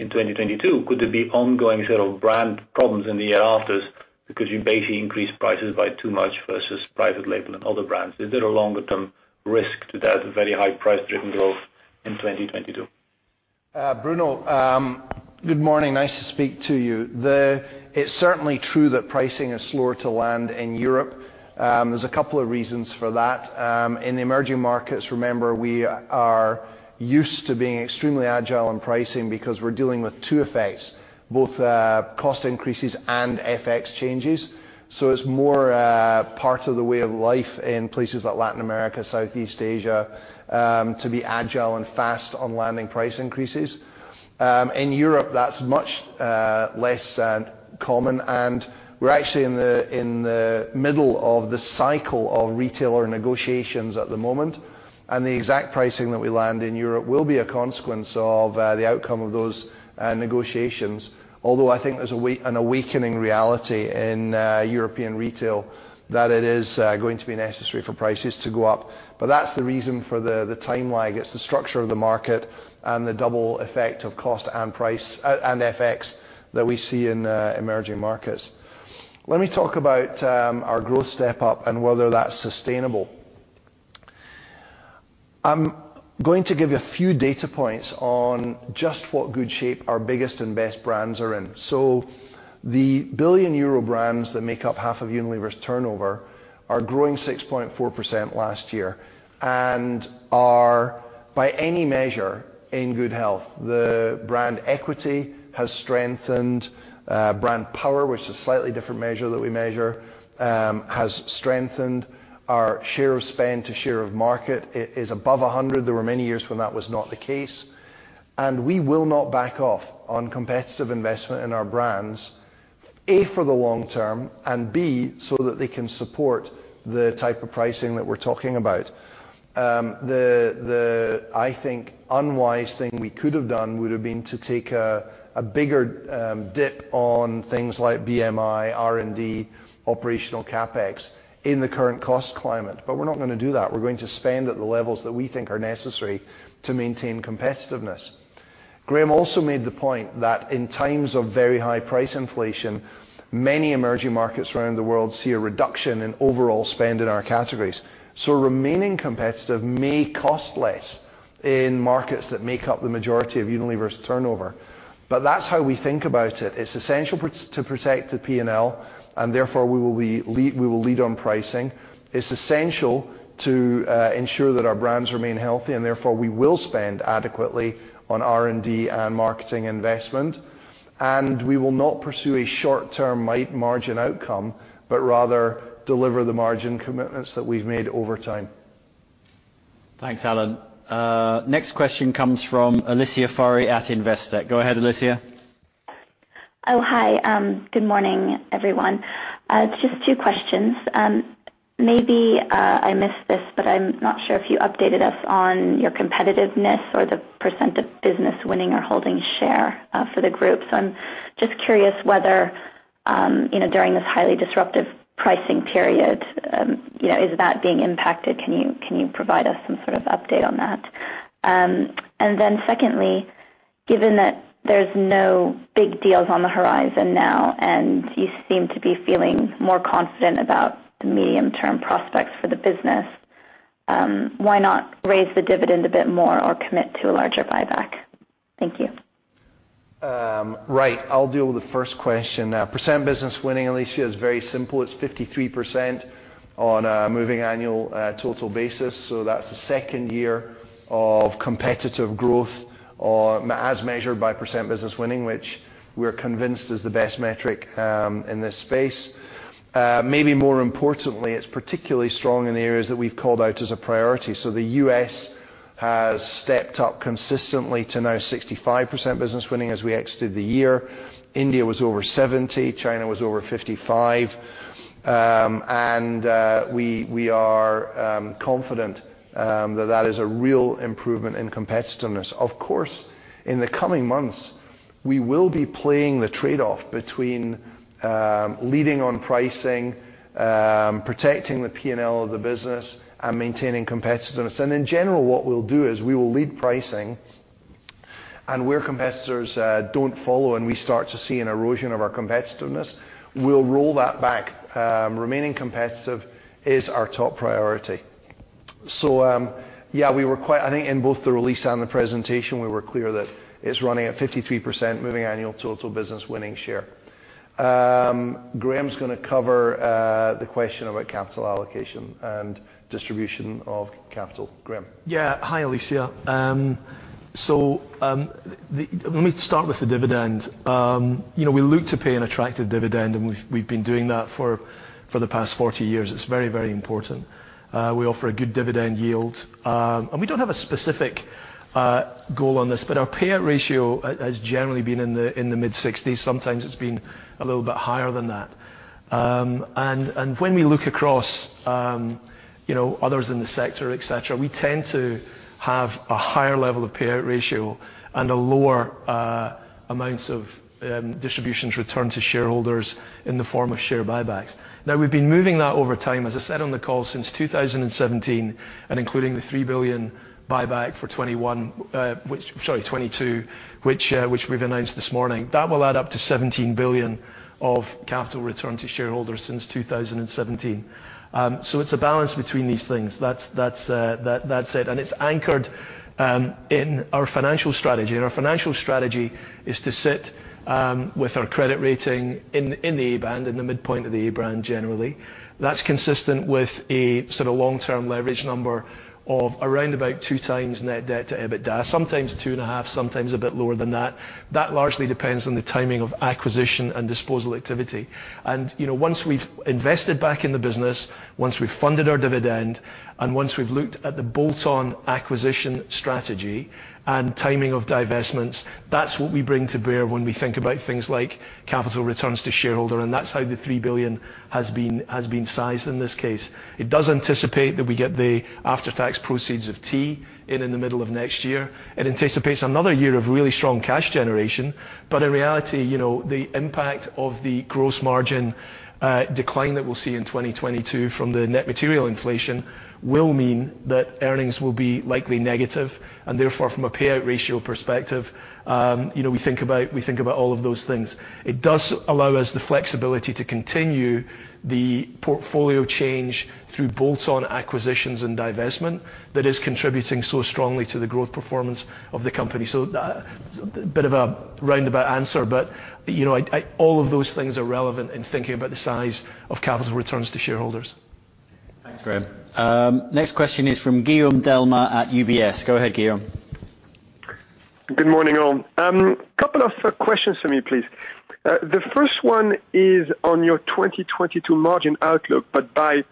in 2022, could there be ongoing sort of brand problems in the years after because you basically increased prices by too much versus private label and other brands? Is there a longer term risk to that, a very high price-driven growth in 2022? Bruno, good morning. Nice to speak to you. It's certainly true that pricing is slower to land in Europe. There's a couple of reasons for that. In the emerging markets, remember, we are used to being extremely agile in pricing because we're dealing with two effects, both cost increases and FX changes. It's more part of the way of life in places like Latin America, Southeast Asia, to be agile and fast on landing price increases. In Europe, that's much less common, and we're actually in the middle of the cycle of retailer negotiations at the moment. The exact pricing that we land in Europe will be a consequence of the outcome of those negotiations. Although I think there's an awakening reality in European retail that it is going to be necessary for prices to go up. That's the reason for the time lag. It's the structure of the market and the double effect of cost and price and FX that we see in emerging markets. Let me talk about our growth step up and whether that's sustainable. I'm going to give you a few data points in just what good shape our biggest and best brands are in. The billion-euro brands that make up half of Unilever's turnover are growing 6.4% last year and are, by any measure, in good health. The brand equity has strengthened, brand power, which is a slightly different measure that we measure, has strengthened. Our share of spend to share of market is above 100. There were many years when that was not the case. We will not back off on competitive investment in our brands, A, for the long term, and B, so that they can support the type of pricing that we're talking about. The, the, I think, unwise thing we could have done would have been to take a bigger dip on things like BMI, R&D, operational CapEx in the current cost climate, but we're not gonna do that. We're going to spend at the levels that we think are necessary to maintain competitiveness. Graeme also made the point that in times of very high price inflation, many emerging markets around the world see a reduction in overall spend in our categories. Remaining competitive may cost less in markets that make up the majority of Unilever's turnover. That's how we think about it. It's essential to protect the P&L, and therefore, we will lead on pricing. It's essential to ensure that our brands remain healthy, and therefore, we will spend adequately on R&D and marketing investment. We will not pursue a short-term margin outcome, but rather deliver the margin commitments that we've made over time. Thanks, Alan. Next question comes from Alicia Forry at Investec. Go ahead, Alicia. Oh, hi. Good morning, everyone. Just two questions. Maybe I missed this, but I'm not sure if you updated us on your competitiveness or the percent of business winning or holding share for the group. I'm just curious whether you know, during this highly disruptive pricing period, you know, is that being impacted? Can you provide us some sort of update on that? Secondly, given that there's no big deals on the horizon now, and you seem to be feeling more confident about the medium-term prospects for the business, why not raise the dividend a bit more or commit to a larger buyback? Thank you. Right. I'll deal with the first question. Percent business winning, Alicia, is very simple. It's 53% on a moving annual total basis, so that's the second year of competitive growth or as measured by percent business winning, which we're convinced is the best metric in this space. Maybe more importantly, it's particularly strong in the areas that we've called out as a priority. The U.S. has stepped up consistently to now 65% business winning as we exited the year. India was over 70%, China was over 55%. We are confident that is a real improvement in competitiveness. Of course, in the coming months, we will be playing the trade-off between leading on pricing, protecting the P&L of the business and maintaining competitiveness. In general, what we'll do is we will lead pricing, and where competitors don't follow and we start to see an erosion of our competitiveness, we'll roll that back. Remaining competitive is our top priority. I think in both the release and the presentation, we were clear that it's running at 53% moving annual total business winning share. Graeme is gonna cover the question about capital allocation and distribution of capital. Graeme. Yeah. Hi, Alicia. Let me start with the dividend. You know, we look to pay an attractive dividend, and we've been doing that for the past 40 years. It's very important. We offer a good dividend yield. And we don't have a specific goal on this, but our payout ratio has generally been in the mid-60s. Sometimes it's been a little bit higher than that. And when we look across you know others in the sector, et cetera, we tend to have a higher level of payout ratio and a lower amounts of distributions returned to shareholders in the form of share buybacks. Now, we've been moving that over time, as I said on the call, since 2017, and including the 3 billion buyback for 2021, which... Sorry, 22, which we've announced this morning. That will add up to 17 billion of capital returned to shareholders since 2017. It's a balance between these things. That's it. It's anchored in our financial strategy. Our financial strategy is to sit with our credit rating in the A band, in the midpoint of the A band, generally. That's consistent with a sort of long-term leverage number of around 2x net debt to EBITDA, sometimes 2.5, sometimes a bit lower than that. That largely depends on the timing of acquisition and disposal activity. You know, once we've invested back in the business, once we've funded our dividend, and once we've looked at the bolt-on acquisition strategy and timing of divestments, that's what we bring to bear when we think about things like capital returns to shareholder, and that's how the 3 billion has been sized in this case. It does anticipate that we get the after-tax proceeds of the tea in the middle of next year. It anticipates another year of really strong cash generation. In reality, you know, the impact of the gross margin decline that we'll see in 2022 from the net material inflation will mean that earnings will be likely negative, and therefore, from a payout ratio perspective, you know, we think about all of those things. It does allow us the flexibility to continue the portfolio change through bolt-on acquisitions and divestment that is contributing so strongly to the growth performance of the company. A bit of a roundabout answer, but, you know, I all of those things are relevant in thinking about the size of capital returns to shareholders. Thanks, Graeme. Next question is from Guillaume Delmas at UBS. Go ahead, Guillaume. Good morning, all. Couple of questions for me, please. The first one is on your 2022 margin outlook by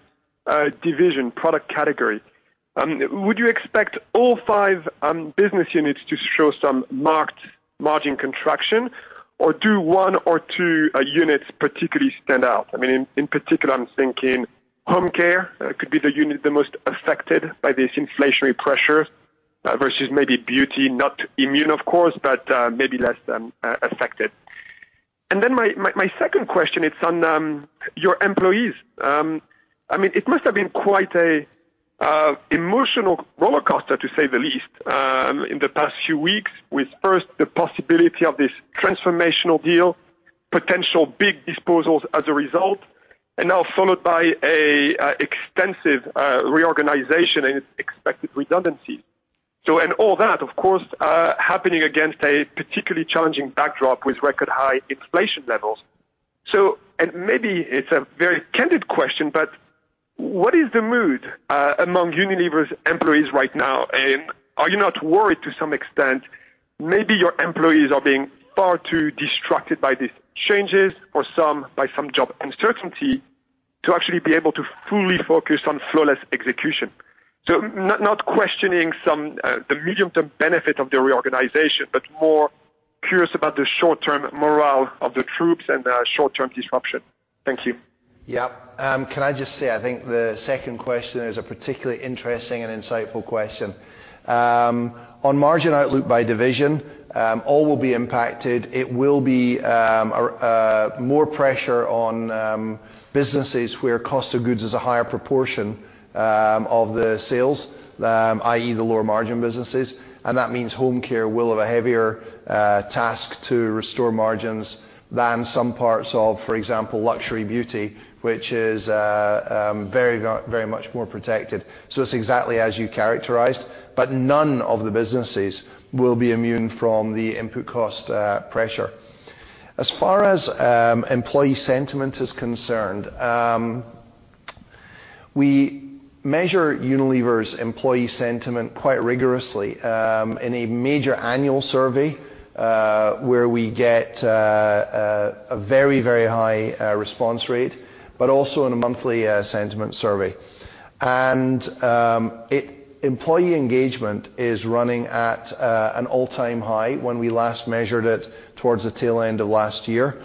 division, product category. Would you expect all five business units to show some marked margin contraction or do one or two units particularly stand out? I mean, in particular, I'm thinking Home Care could be the unit the most affected by this inflationary pressure versus maybe Beauty, not immune, of course, but maybe less affected. My second question is on your employees. I mean, it must have been quite an emotional roller coaster, to say the least, in the past few weeks with first the possibility of this transformational deal, potential big disposals as a result, and now followed by an extensive reorganization and its expected redundancies. All that, of course, happening against a particularly challenging backdrop with record high inflation levels. Maybe it's a very candid question, but what is the mood among Unilever's employees right now? Are you not worried to some extent, maybe your employees are being far too distracted by these changes or by some job uncertainty to actually be able to fully focus on flawless execution? Not questioning some, the medium-term benefit of the reorganization, but more curious about the short-term morale of the troops and short-term disruption. Thank you. Yeah. Can I just say I think the second question is a particularly interesting and insightful question. On margin outlook by division, all will be impacted. It will be more pressure on businesses where cost of goods is a higher proportion of the sales, i.e., the lower margin businesses, and that means Home Care will have a heavier task to restore margins than some parts of, for example, Luxury Beauty, which is very much more protected. It's exactly as you characterized, but none of the businesses will be immune from the input cost pressure. As far as employee sentiment is concerned, we measure Unilever's employee sentiment quite rigorously in a major annual survey, where we get a very high response rate, but also in a monthly sentiment survey. Employee engagement is running at an all-time high when we last measured it towards the tail end of last year,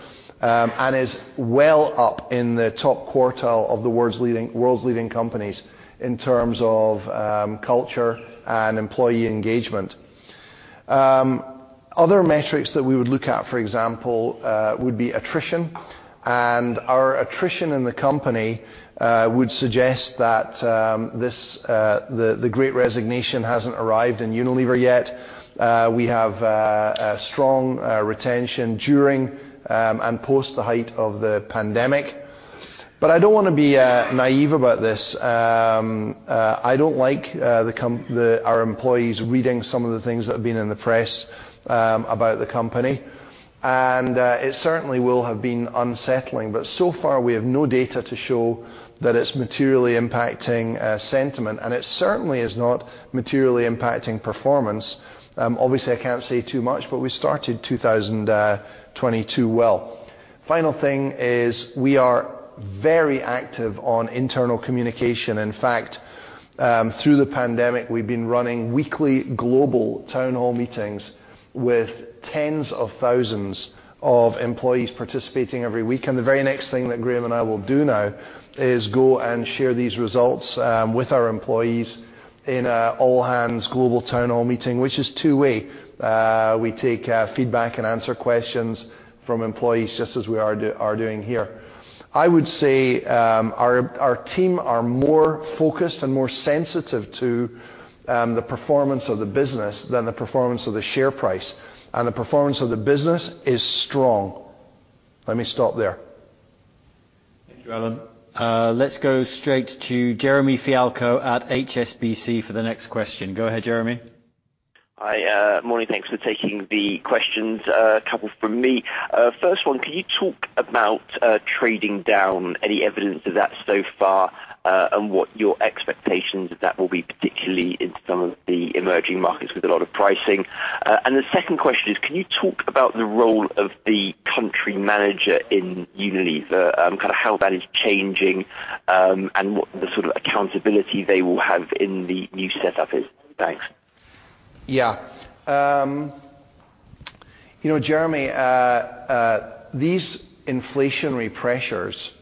and is well up in the top quartile of the world's leading companies in terms of culture and employee engagement. Other metrics that we would look at, for example, would be attrition. Our attrition in the company would suggest that the Great Resignation hasn't arrived in Unilever yet. We have a strong retention during and post the height of the pandemic. I don't wanna be naive about this. I don't like our employees reading some of the things that have been in the press about the company. It certainly will have been unsettling, but so far we have no data to show that it's materially impacting sentiment, and it certainly is not materially impacting performance. Obviously, I can't say too much, but we started 2022 well. The final thing is we are very active on internal communication. In fact, through the pandemic, we've been running weekly global town hall meetings with tens of thousands of employees participating every week. The very next thing that Graeme and I will do now is go and share these results with our employees in an all-hands global town hall meeting, which is two-way. We take feedback and answer questions from employees just as we are doing here. I would say, our team are more focused and more sensitive to the performance of the business than the performance of the share price. The performance of the business is strong. Let me stop there. Thank you, Alan. Let's go straight to Jeremy Fialko at HSBC for the next question. Go ahead, Jeremy. Hi. Morning. Thanks for taking the questions. A couple from me. First one, can you talk about trading down, any evidence of that so far, and what your expectations of that will be, particularly in some of the emerging markets with a lot of pricing. The second question is, can you talk about the role of the country manager in Unilever, kind of how that is changing, and what the sort of accountability they will have in the new setup is? Thanks. Yeah. You know, Jeremy, these inflationary pressures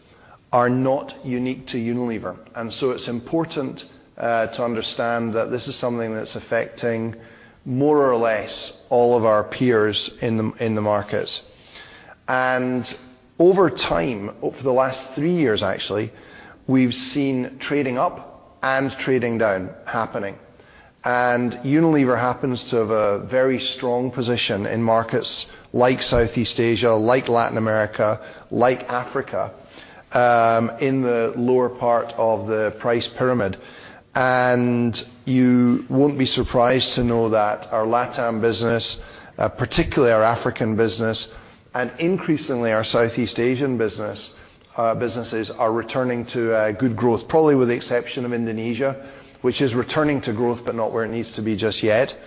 are not unique to Unilever, and so it's important to understand that this is something that's affecting more or less all of our peers in the markets. Over time, for the last three years actually, we've seen trading up and trading down happening. Unilever happens to have a very strong position in markets like Southeast Asia, like Latin America, like Africa, in the lower part of the price pyramid. You won't be surprised to know that our LatAm business, particularly our African business and increasingly our Southeast Asian businesses are returning to good growth, probably with the exception of Indonesia, which is returning to growth, but not where it needs to be just yet.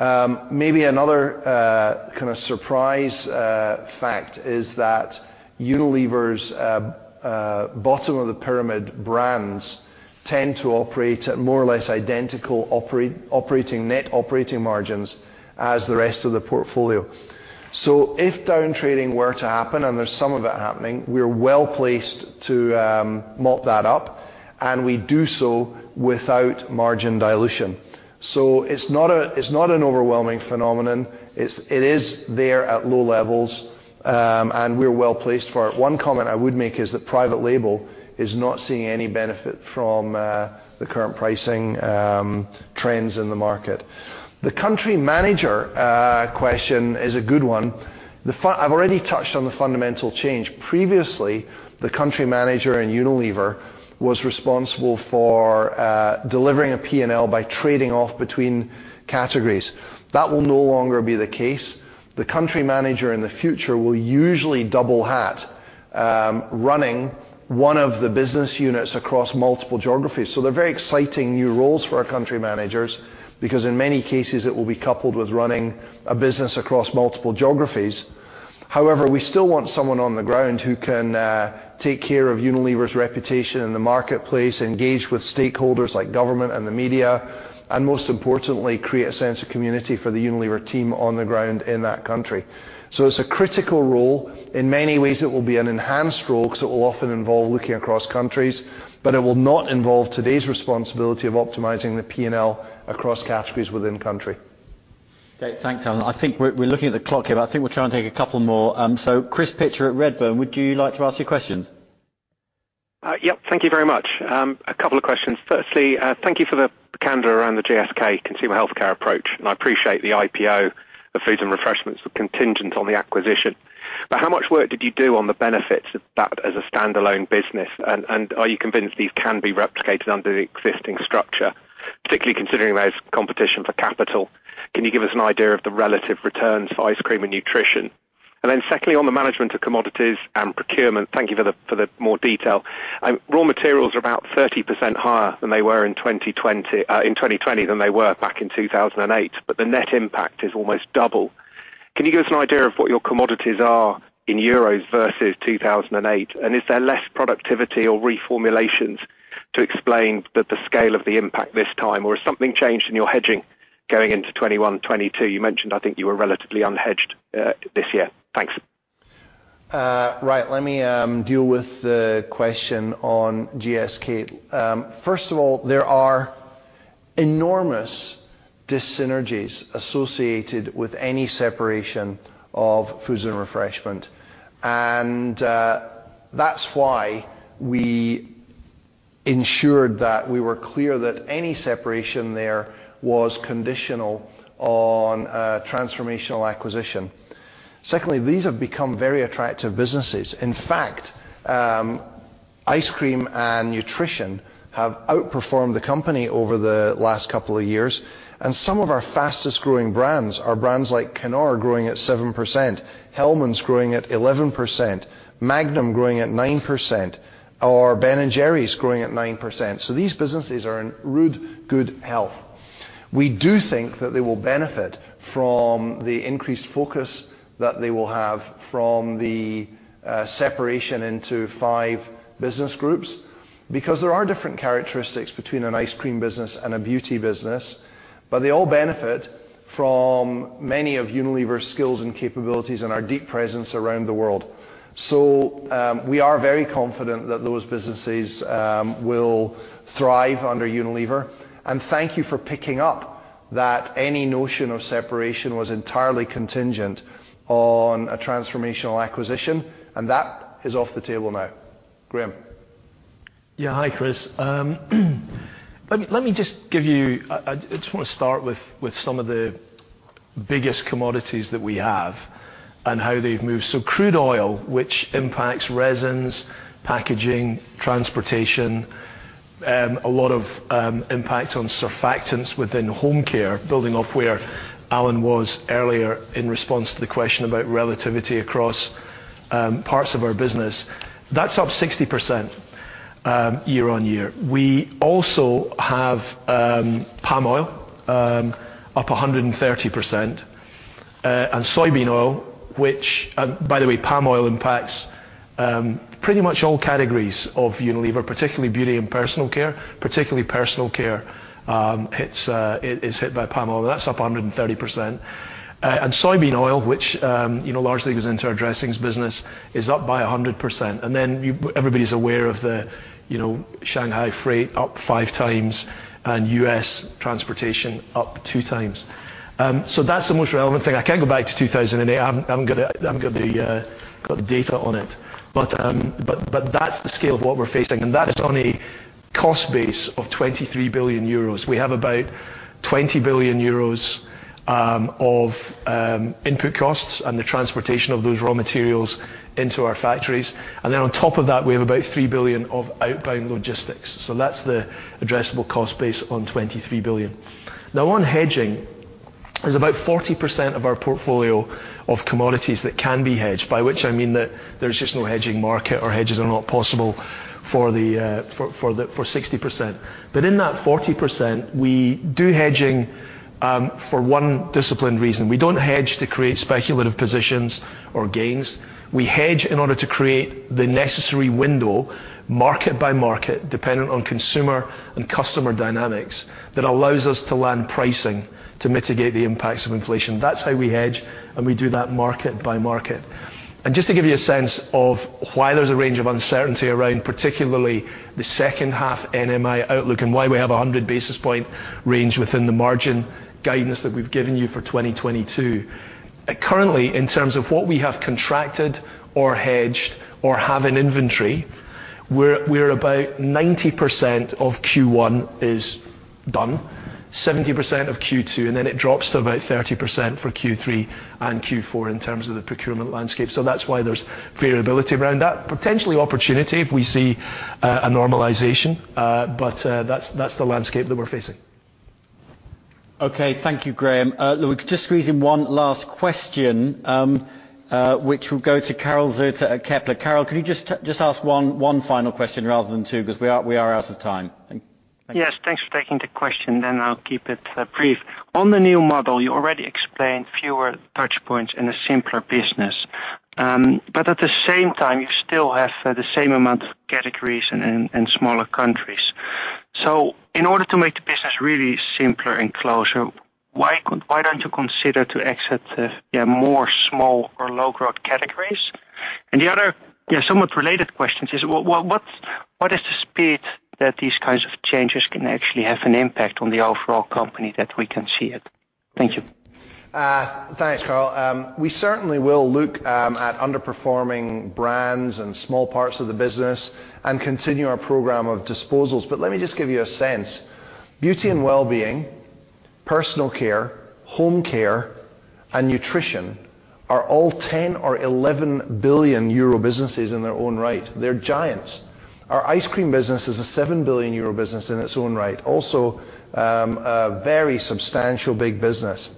Maybe another kind of surprise fact is that Unilever's bottom of the pyramid brands tend to operate at more or less identical operating net operating margins as the rest of the portfolio. If downtrading were to happen, and there's some of that happening, we're well-placed to mop that up, and we do so without margin dilution. It's not an overwhelming phenomenon. It is there at low levels, and we're well-placed for it. One comment I would make is that private label is not seeing any benefit from the current pricing trends in the market. The country manager question is a good one. I've already touched on the fundamental change. Previously, the country manager in Unilever was responsible for delivering a P&L by trading off between categories. That will no longer be the case. The country manager in the future will usually double hat, running one of the business units across multiple geographies. They're very exciting new roles for our country managers because in many cases, it will be coupled with running a business across multiple geographies. However, we still want someone on the ground who can take care of Unilever's reputation in the marketplace, engage with stakeholders like government and the media, and most importantly, create a sense of community for the Unilever team on the ground in that country. It's a critical role. In many ways, it will be an enhanced role because it will often involve looking across countries, but it will not involve today's responsibility of optimizing the P&L across categories within country. Okay, thanks, Alan. I think we're looking at the clock here, but I think we'll try and take a couple more. Chris Pitcher at Redburn, would you like to ask your questions? Yep. Thank you very much. A couple of questions. Firstly, thank you for the candor around the GSK Consumer Healthcare approach, and I appreciate the IPO of Foods and Refreshments were contingent on the acquisition. How much work did you do on the benefits of that as a standalone business? Are you convinced these can be replicated under the existing structure, particularly considering there's competition for capital? Can you give us an idea of the relative returns for Ice Cream and Nutrition? Secondly, on the management of commodities and procurement, thank you for the more detail. Raw materials are about 30% higher than they were in 2020 than they were back in 2008, but the net impact is almost double. Can you give us an idea of what your commodities are in euros versus 2008? Is there less productivity or reformulations to explain the scale of the impact this time? Has something changed in your hedging going into 2021, 2022? You mentioned, I think, you were relatively unhedged this year. Thanks. Right. Let me deal with the question on GSK. First of all, there are enormous dyssynergies associated with any separation of foods and refreshment. That's why we ensured that we were clear that any separation there was conditional on a transformational acquisition. Secondly, these have become very attractive businesses. In fact, ice cream and nutrition have outperformed the company over the last couple of years, and some of our fastest-growing brands are brands like Knorr growing at 7%, Hellmann's growing at 11%, Magnum growing at 9%, or Ben & Jerry's growing at 9%. These businesses are in ruddy good health. We do think that they will benefit from the increased focus that they will have from the separation into five business groups because there are different characteristics between an ice cream business and a beauty business, but they all benefit from many of Unilever's skills and capabilities and our deep presence around the world. We are very confident that those businesses will thrive under Unilever. Thank you for picking up that any notion of separation was entirely contingent on a transformational acquisition, and that is off the table now. Graeme. Hi, Chris. Let me just give you. I just wanna start with some of the biggest commodities that we have and how they've moved. Crude oil, which impacts resins, packaging, transportation, a lot of impact on surfactants within home care, building off where Alan was earlier in response to the question about relativity across parts of our business, that's up 60% year-on-year. We also have palm oil up 130%, and soybean oil, which by the way, palm oil impacts pretty much all categories of Unilever, particularly beauty and personal care, particularly personal care. It is hit by palm oil. That's up 130%. Soybean oil, which, you know, largely goes into our dressings business, is up by 100%. Everybody's aware of the, you know, Shanghai freight up 5 times and U.S. transportation up 2 times. That's the most relevant thing. I can't go back to 2008. I haven't got the data on it. That's the scale of what we're facing, and that is on a cost base of 23 billion euros. We have about 20 billion euros of input costs and the transportation of those raw materials into our factories. On top of that, we have about 3 billion of outbound logistics. That's the addressable cost base on 23 billion. Now on hedging, there's about 40% of our portfolio of commodities that can be hedged, by which I mean that there's just no hedging market or hedges are not possible for 60%. In that 40%, we do hedging for one disciplined reason. We don't hedge to create speculative positions or gains. We hedge in order to create the necessary window, market by market, dependent on consumer and customer dynamics, that allows us to land pricing to mitigate the impacts of inflation. That's how we hedge, and we do that market by market. Just to give you a sense of why there's a range of uncertainty around, particularly the Q2 NMI outlook and why we have a 100 basis points range within the margin guidance that we've given you for 2022. Currently, in terms of what we have contracted or hedged or have in inventory. We're about 90% of Q1 is done, 70% of Q2, and then it drops to about 30% for Q3 and Q4 in terms of the procurement landscape. That's why there's variability around that. Potential opportunity if we see a normalization, but that's the landscape that we're facing. Okay. Thank you, Graeme. Look, we can just squeeze in one last question, which will go to Karel Zoete at Kepler Cheuvreux. Karel, could you just ask one final question rather than two because we are out of time. Thank you. Yes, thanks for taking the question, then I'll keep it brief. On the new model, you already explained fewer touch points in a simpler business. But at the same time, you still have the same amount of categories and smaller countries. In order to make the business really simpler and closer, why don't you consider exiting the more small or low-growth categories? The other somewhat related question is what is the speed that these kinds of changes can actually have an impact on the overall company that we can see it? Thank you. Thanks, Karel. We certainly will look at underperforming brands and small parts of the business and continue our program of disposals. Let me just give you a sense. Beauty and Wellbeing, Personal Care, Home Care, and Nutrition are all 10 billion or 11 billion euro businesses in their own right. They're giants. Our ice cream business is a 7 billion euro business in its own right, also a very substantial big business.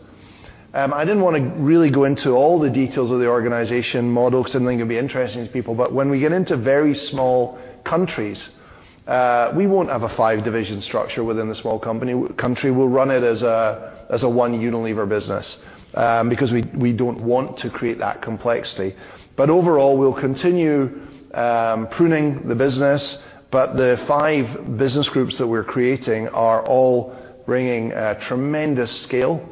I didn't wanna really go into all the details of the organization model because I didn't think it'd be interesting to people, but when we get into very small countries, we won't have a five division structure within the small country. We'll run it as a One Unilever business, because we don't want to create that complexity. Overall, we'll continue pruning the business, but the five business groups that we're creating are all bringing a tremendous scale.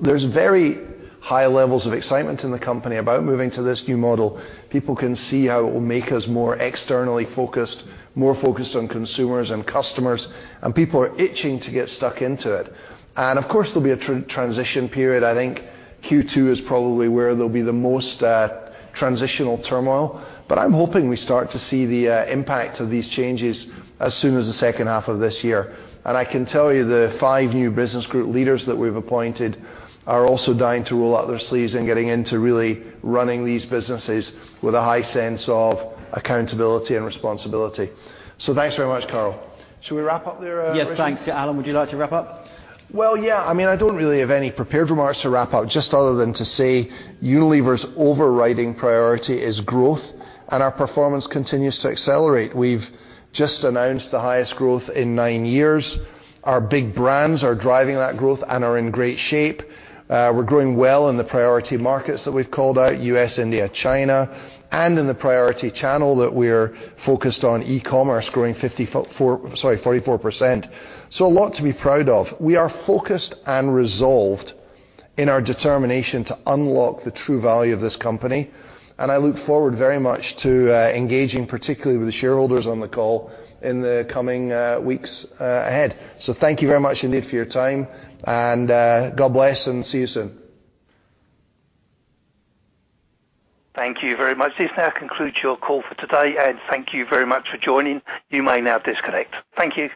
There's very high levels of excitement in the company about moving to this new model. People can see how it will make us more externally focused, more focused on consumers and customers, and people are itching to get stuck into it. Of course, there'll be a transition period. I think Q2 is probably where there'll be the most transitional turmoil, but I'm hoping we start to see the impact of these changes as soon as the Q2 of this year. I can tell you the five new business group leaders that we've appointed are also dying to roll up their sleeves in getting into really running these businesses with a high sense of accountability and responsibility. Thanks very much, Karel. Should we wrap up there, Richard? Yes, thanks. Alan, would you like to wrap up? I mean, I don't really have any prepared remarks to wrap up just other than to say Unilever's overriding priority is growth, and our performance continues to accelerate. We've just announced the highest growth in nine years. Our big brands are driving that growth and are in great shape. We're growing well in the priority markets that we've called out, U.S., India, China, and in the priority channel that we're focused on, e-commerce growing 44%. A lot to be proud of. We are focused and resolved in our determination to unlock the true value of this company, and I look forward very much to engaging particularly with the shareholders on the call in the coming weeks ahead. Thank you very much indeed for your time, and God bless and see you soon. Thank you very much. This now concludes your call for today, and thank you very much for joining. You may now disconnect. Thank you.